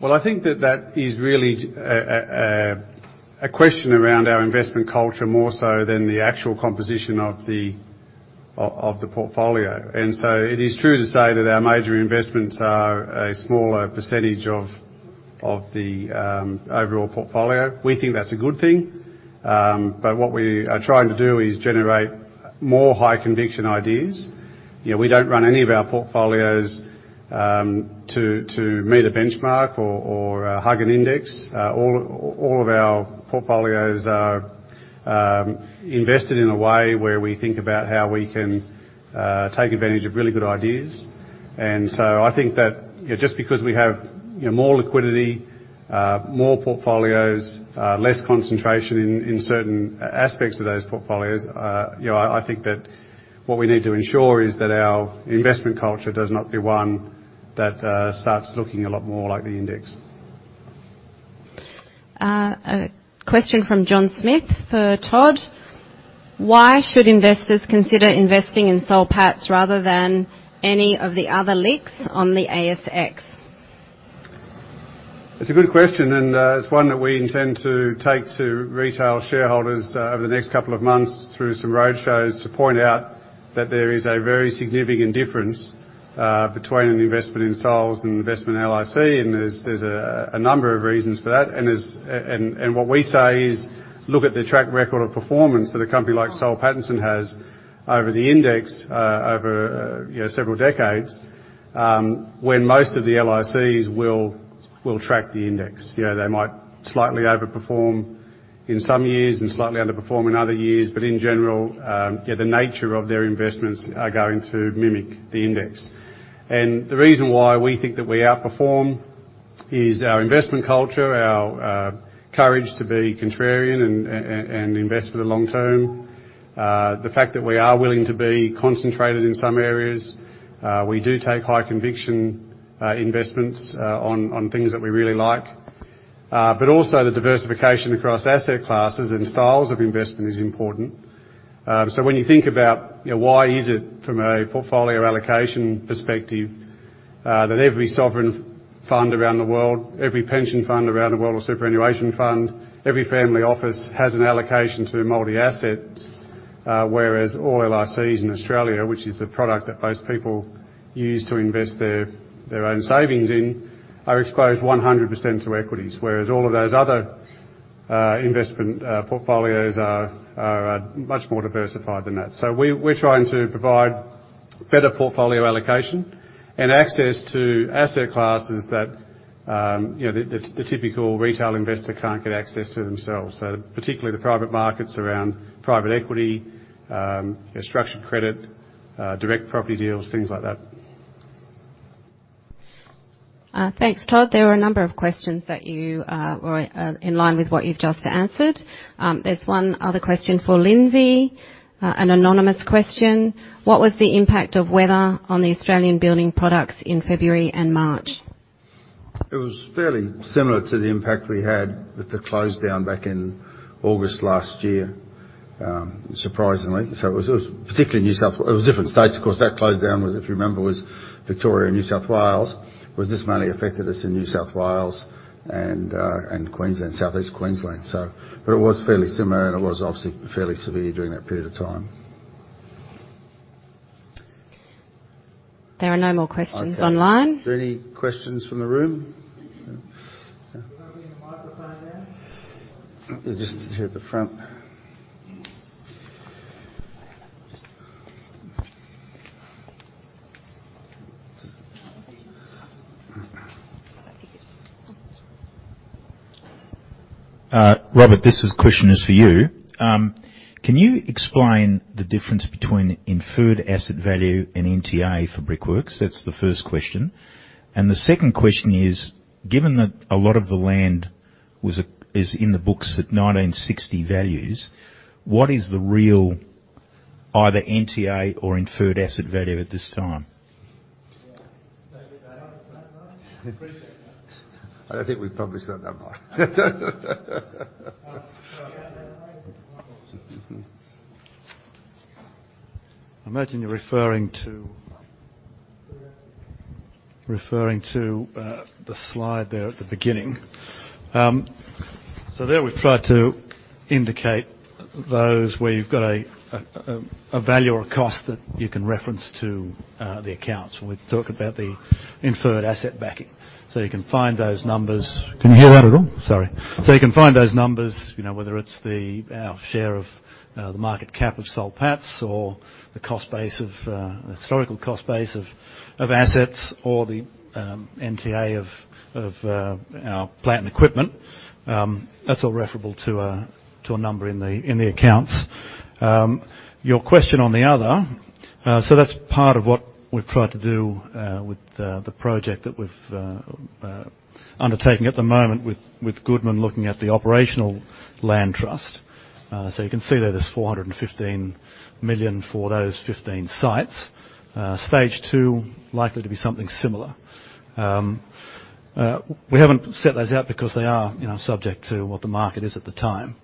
[SPEAKER 4] Well, I think that is really a question around our investment culture more so than the actual composition of the portfolio. It is true to say that our major investments are a smaller percentage of the overall portfolio. We think that's a good thing. What we are trying to do is generate more high conviction ideas. You know, we don't run any of our portfolios to meet a benchmark or hug an index. All of our portfolios are invested in a way where we think about how we can take advantage of really good ideas. I think that, you know, just because we have, you know, more liquidity, more portfolios, less concentration in certain aspects of those portfolios, you know, I think that what we need to ensure is that our investment culture does not be one that starts looking a lot more like the index.
[SPEAKER 6] A question from John Smith for Todd: Why should investors consider investing in Soul Pattinson rather than any of the other LICs on the ASX?
[SPEAKER 4] It's a good question, and it's one that we intend to take to retail shareholders over the next couple of months through some roadshows to point out that there is a very significant difference between an investment in Soul's and investment in LIC. There's a number of reasons for that. What we say is look at the track record of performance that a company like Soul Pattinson has over the index over you know several decades when most of the LICs will track the index. You know, they might slightly overperform in some years and slightly underperform in other years. But in general, yeah, the nature of their investments are going to mimic the index. The reason why we think that we outperform is our investment culture, our courage to be contrarian and invest for the long term. The fact that we are willing to be concentrated in some areas. We do take high conviction investments on things that we really like. But also the diversification across asset classes and styles of investment is important. When you think about, you know, why is it from a portfolio allocation perspective, that every sovereign fund around the world, every pension fund around the world or superannuation fund, every family office has an allocation to multi-assets, whereas all LICs in Australia, which is the product that most people use to invest their own savings in, are exposed 100% to equities. Whereas all of those other investment portfolios are much more diversified than that. We're trying to provide better portfolio allocation and access to asset classes that, you know, the typical retail investor can't get access to themselves. Particularly the private markets around private equity, you know, structured credit, direct property deals, things like that.
[SPEAKER 6] Thanks, Todd. There were a number of questions that you were in line with what you've just answered. There's one other question for Lindsay. An anonymous question: What was the impact of weather on the Australian building products in February and March?
[SPEAKER 2] It was fairly similar to the impact we had with the close down back in August last year, surprisingly. It was different states, of course. That closed down was, if you remember, Victoria and New South Wales. Whereas this mainly affected us in New South Wales and Queensland, Southeast Queensland. It was fairly similar, and it was obviously fairly severe during that period of time.
[SPEAKER 6] There are no more questions online.
[SPEAKER 2] Okay. Are there any questions from the room? Just here at the front.
[SPEAKER 7] Robert, question is for you. Can you explain the difference between inferred asset value and NTA for Brickworks? That's the first question. The second question is, given that a lot of the land is in the books at 1960 values, what is the real either NTA or inferred asset value at this time?
[SPEAKER 3] I don't think we've published that number.
[SPEAKER 4] I imagine you're referring to. Referring to the slide there at the beginning. There we've tried to indicate those where you've got a value or a cost that you can reference to the accounts when we talk about the inferred asset backing. You can find those numbers. Can you hear that at all? Sorry. You can find those numbers, you know, whether it's our share of the market cap of Soul Pattinson or the cost base of the historical cost base of assets or the NTA of our plant and equipment. That's all referable to a number in the accounts. Your question on the other, so that's part of what we've tried to do, with the project that we've undertaken at the moment with Goodman looking at the operational land trust. So you can see there there's 415 million for those 15 sites. Stage two, likely to be something similar. We haven't set those out because they are, you know, subject to what the market is at the time.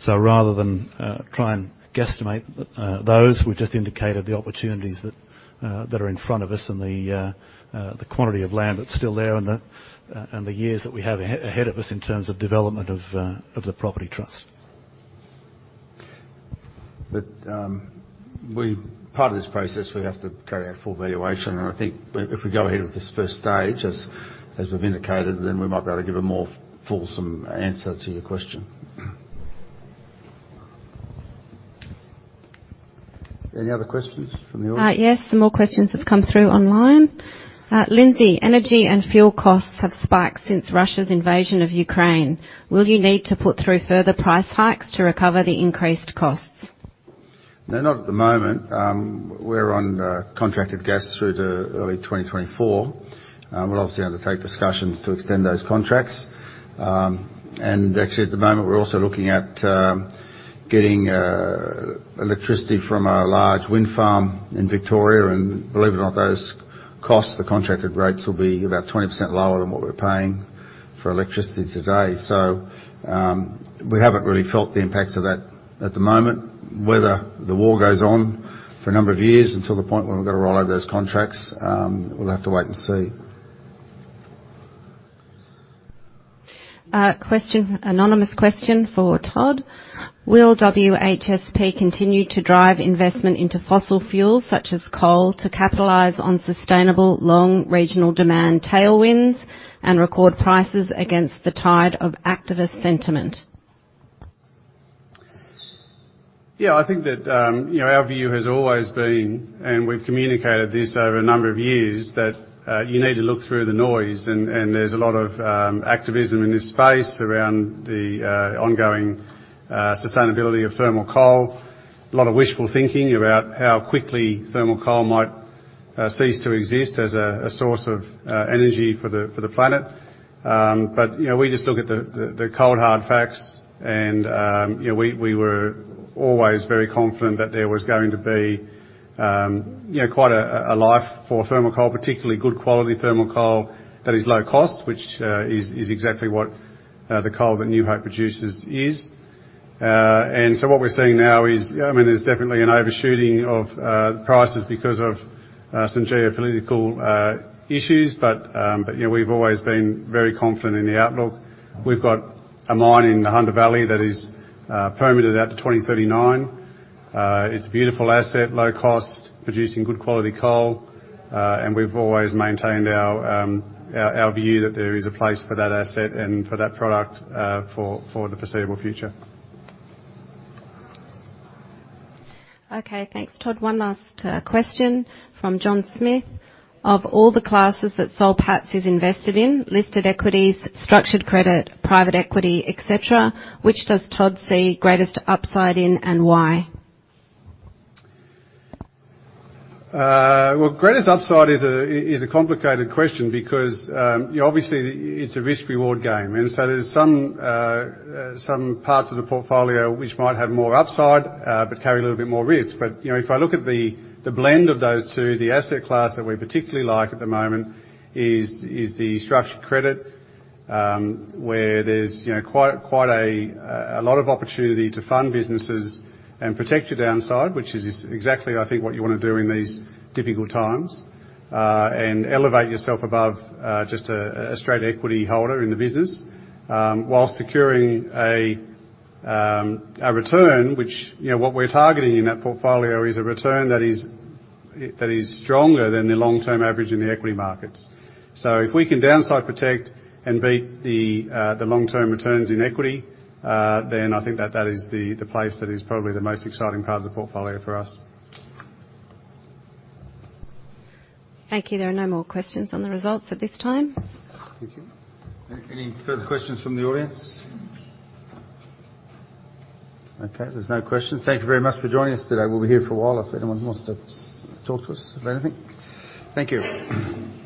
[SPEAKER 4] So rather than try and guesstimate those, we've just indicated the opportunities that are in front of us and the quantity of land that's still there and the years that we have ahead of us in terms of development of the property trust.
[SPEAKER 2] Part of this process, we have to carry out full valuation. I think if we go ahead with this first stage as we've indicated, then we might be able to give a more fulsome answer to your question. Any other questions from the audience?
[SPEAKER 6] Yes. Some more questions have come through online. Lindsay, energy and fuel costs have spiked since Russia's invasion of Ukraine. Will you need to put through further price hikes to recover the increased costs?
[SPEAKER 2] No, not at the moment. We're on contracted gas through to early 2024. We'll obviously undertake discussions to extend those contracts. Actually, at the moment, we're also looking at getting electricity from a large wind farm in Victoria. Believe it or not, those costs, the contracted rates will be about 20% lower than what we're paying for electricity today. We haven't really felt the impacts of that at the moment. Whether the war goes on for a number of years until the point where we've got to roll out those contracts, we'll have to wait and see.
[SPEAKER 6] Anonymous question for Todd: Will WHSP continue to drive investment into fossil fuels such as coal to capitalize on sustainable long regional demand tailwinds and record prices against the tide of activist sentiment?
[SPEAKER 4] Yeah, I think that, you know, our view has always been, and we've communicated this over a number of years, that you need to look through the noise. There's a lot of activism in this space around the ongoing sustainability of thermal coal. A lot of wishful thinking about how quickly thermal coal might cease to exist as a source of energy for the planet. You know, we just look at the cold, hard facts and, you know, we were always very confident that there was going to be, you know, quite a life for thermal coal, particularly good quality thermal coal that is low cost, which is exactly what the coal that New Hope produces is. What we're seeing now is, I mean, there's definitely an overshooting of the prices because of some geopolitical issues. You know, we've always been very confident in the outlook. We've got a mine in the Hunter Valley that is permitted out to 2039. It's a beautiful asset, low cost, producing good quality coal. We've always maintained our view that there is a place for that asset and for that product for the foreseeable future.
[SPEAKER 6] Okay. Thanks, Todd. One last question from John Smith. Of all the classes that Soul Pattinson is invested in, listed equities, structured credit, private equity, et cetera, which does Todd see greatest upside in and why?
[SPEAKER 4] Well, greatest upside is a complicated question because, you know, obviously it's a risk reward game. There's some parts of the portfolio which might have more upside, but carry a little bit more risk. You know, if I look at the blend of those two, the asset class that we particularly like at the moment is the structured credit, where there's, you know, quite a lot of opportunity to fund businesses and protect your downside, which is exactly, I think, what you wanna do in these difficult times. Elevate yourself above just a straight equity holder in the business, while securing a return which, you know, what we're targeting in that portfolio is a return that is stronger than the long-term average in the equity markets. If we can downside protect and beat the long-term returns in equity, then I think that is the place that is probably the most exciting part of the portfolio for us.
[SPEAKER 6] Thank you. There are no more questions on the results at this time.
[SPEAKER 2] Thank you. Any further questions from the audience? Okay, there's no questions. Thank you very much for joining us today. We'll be here for a while if anyone wants to talk to us about anything. Thank you.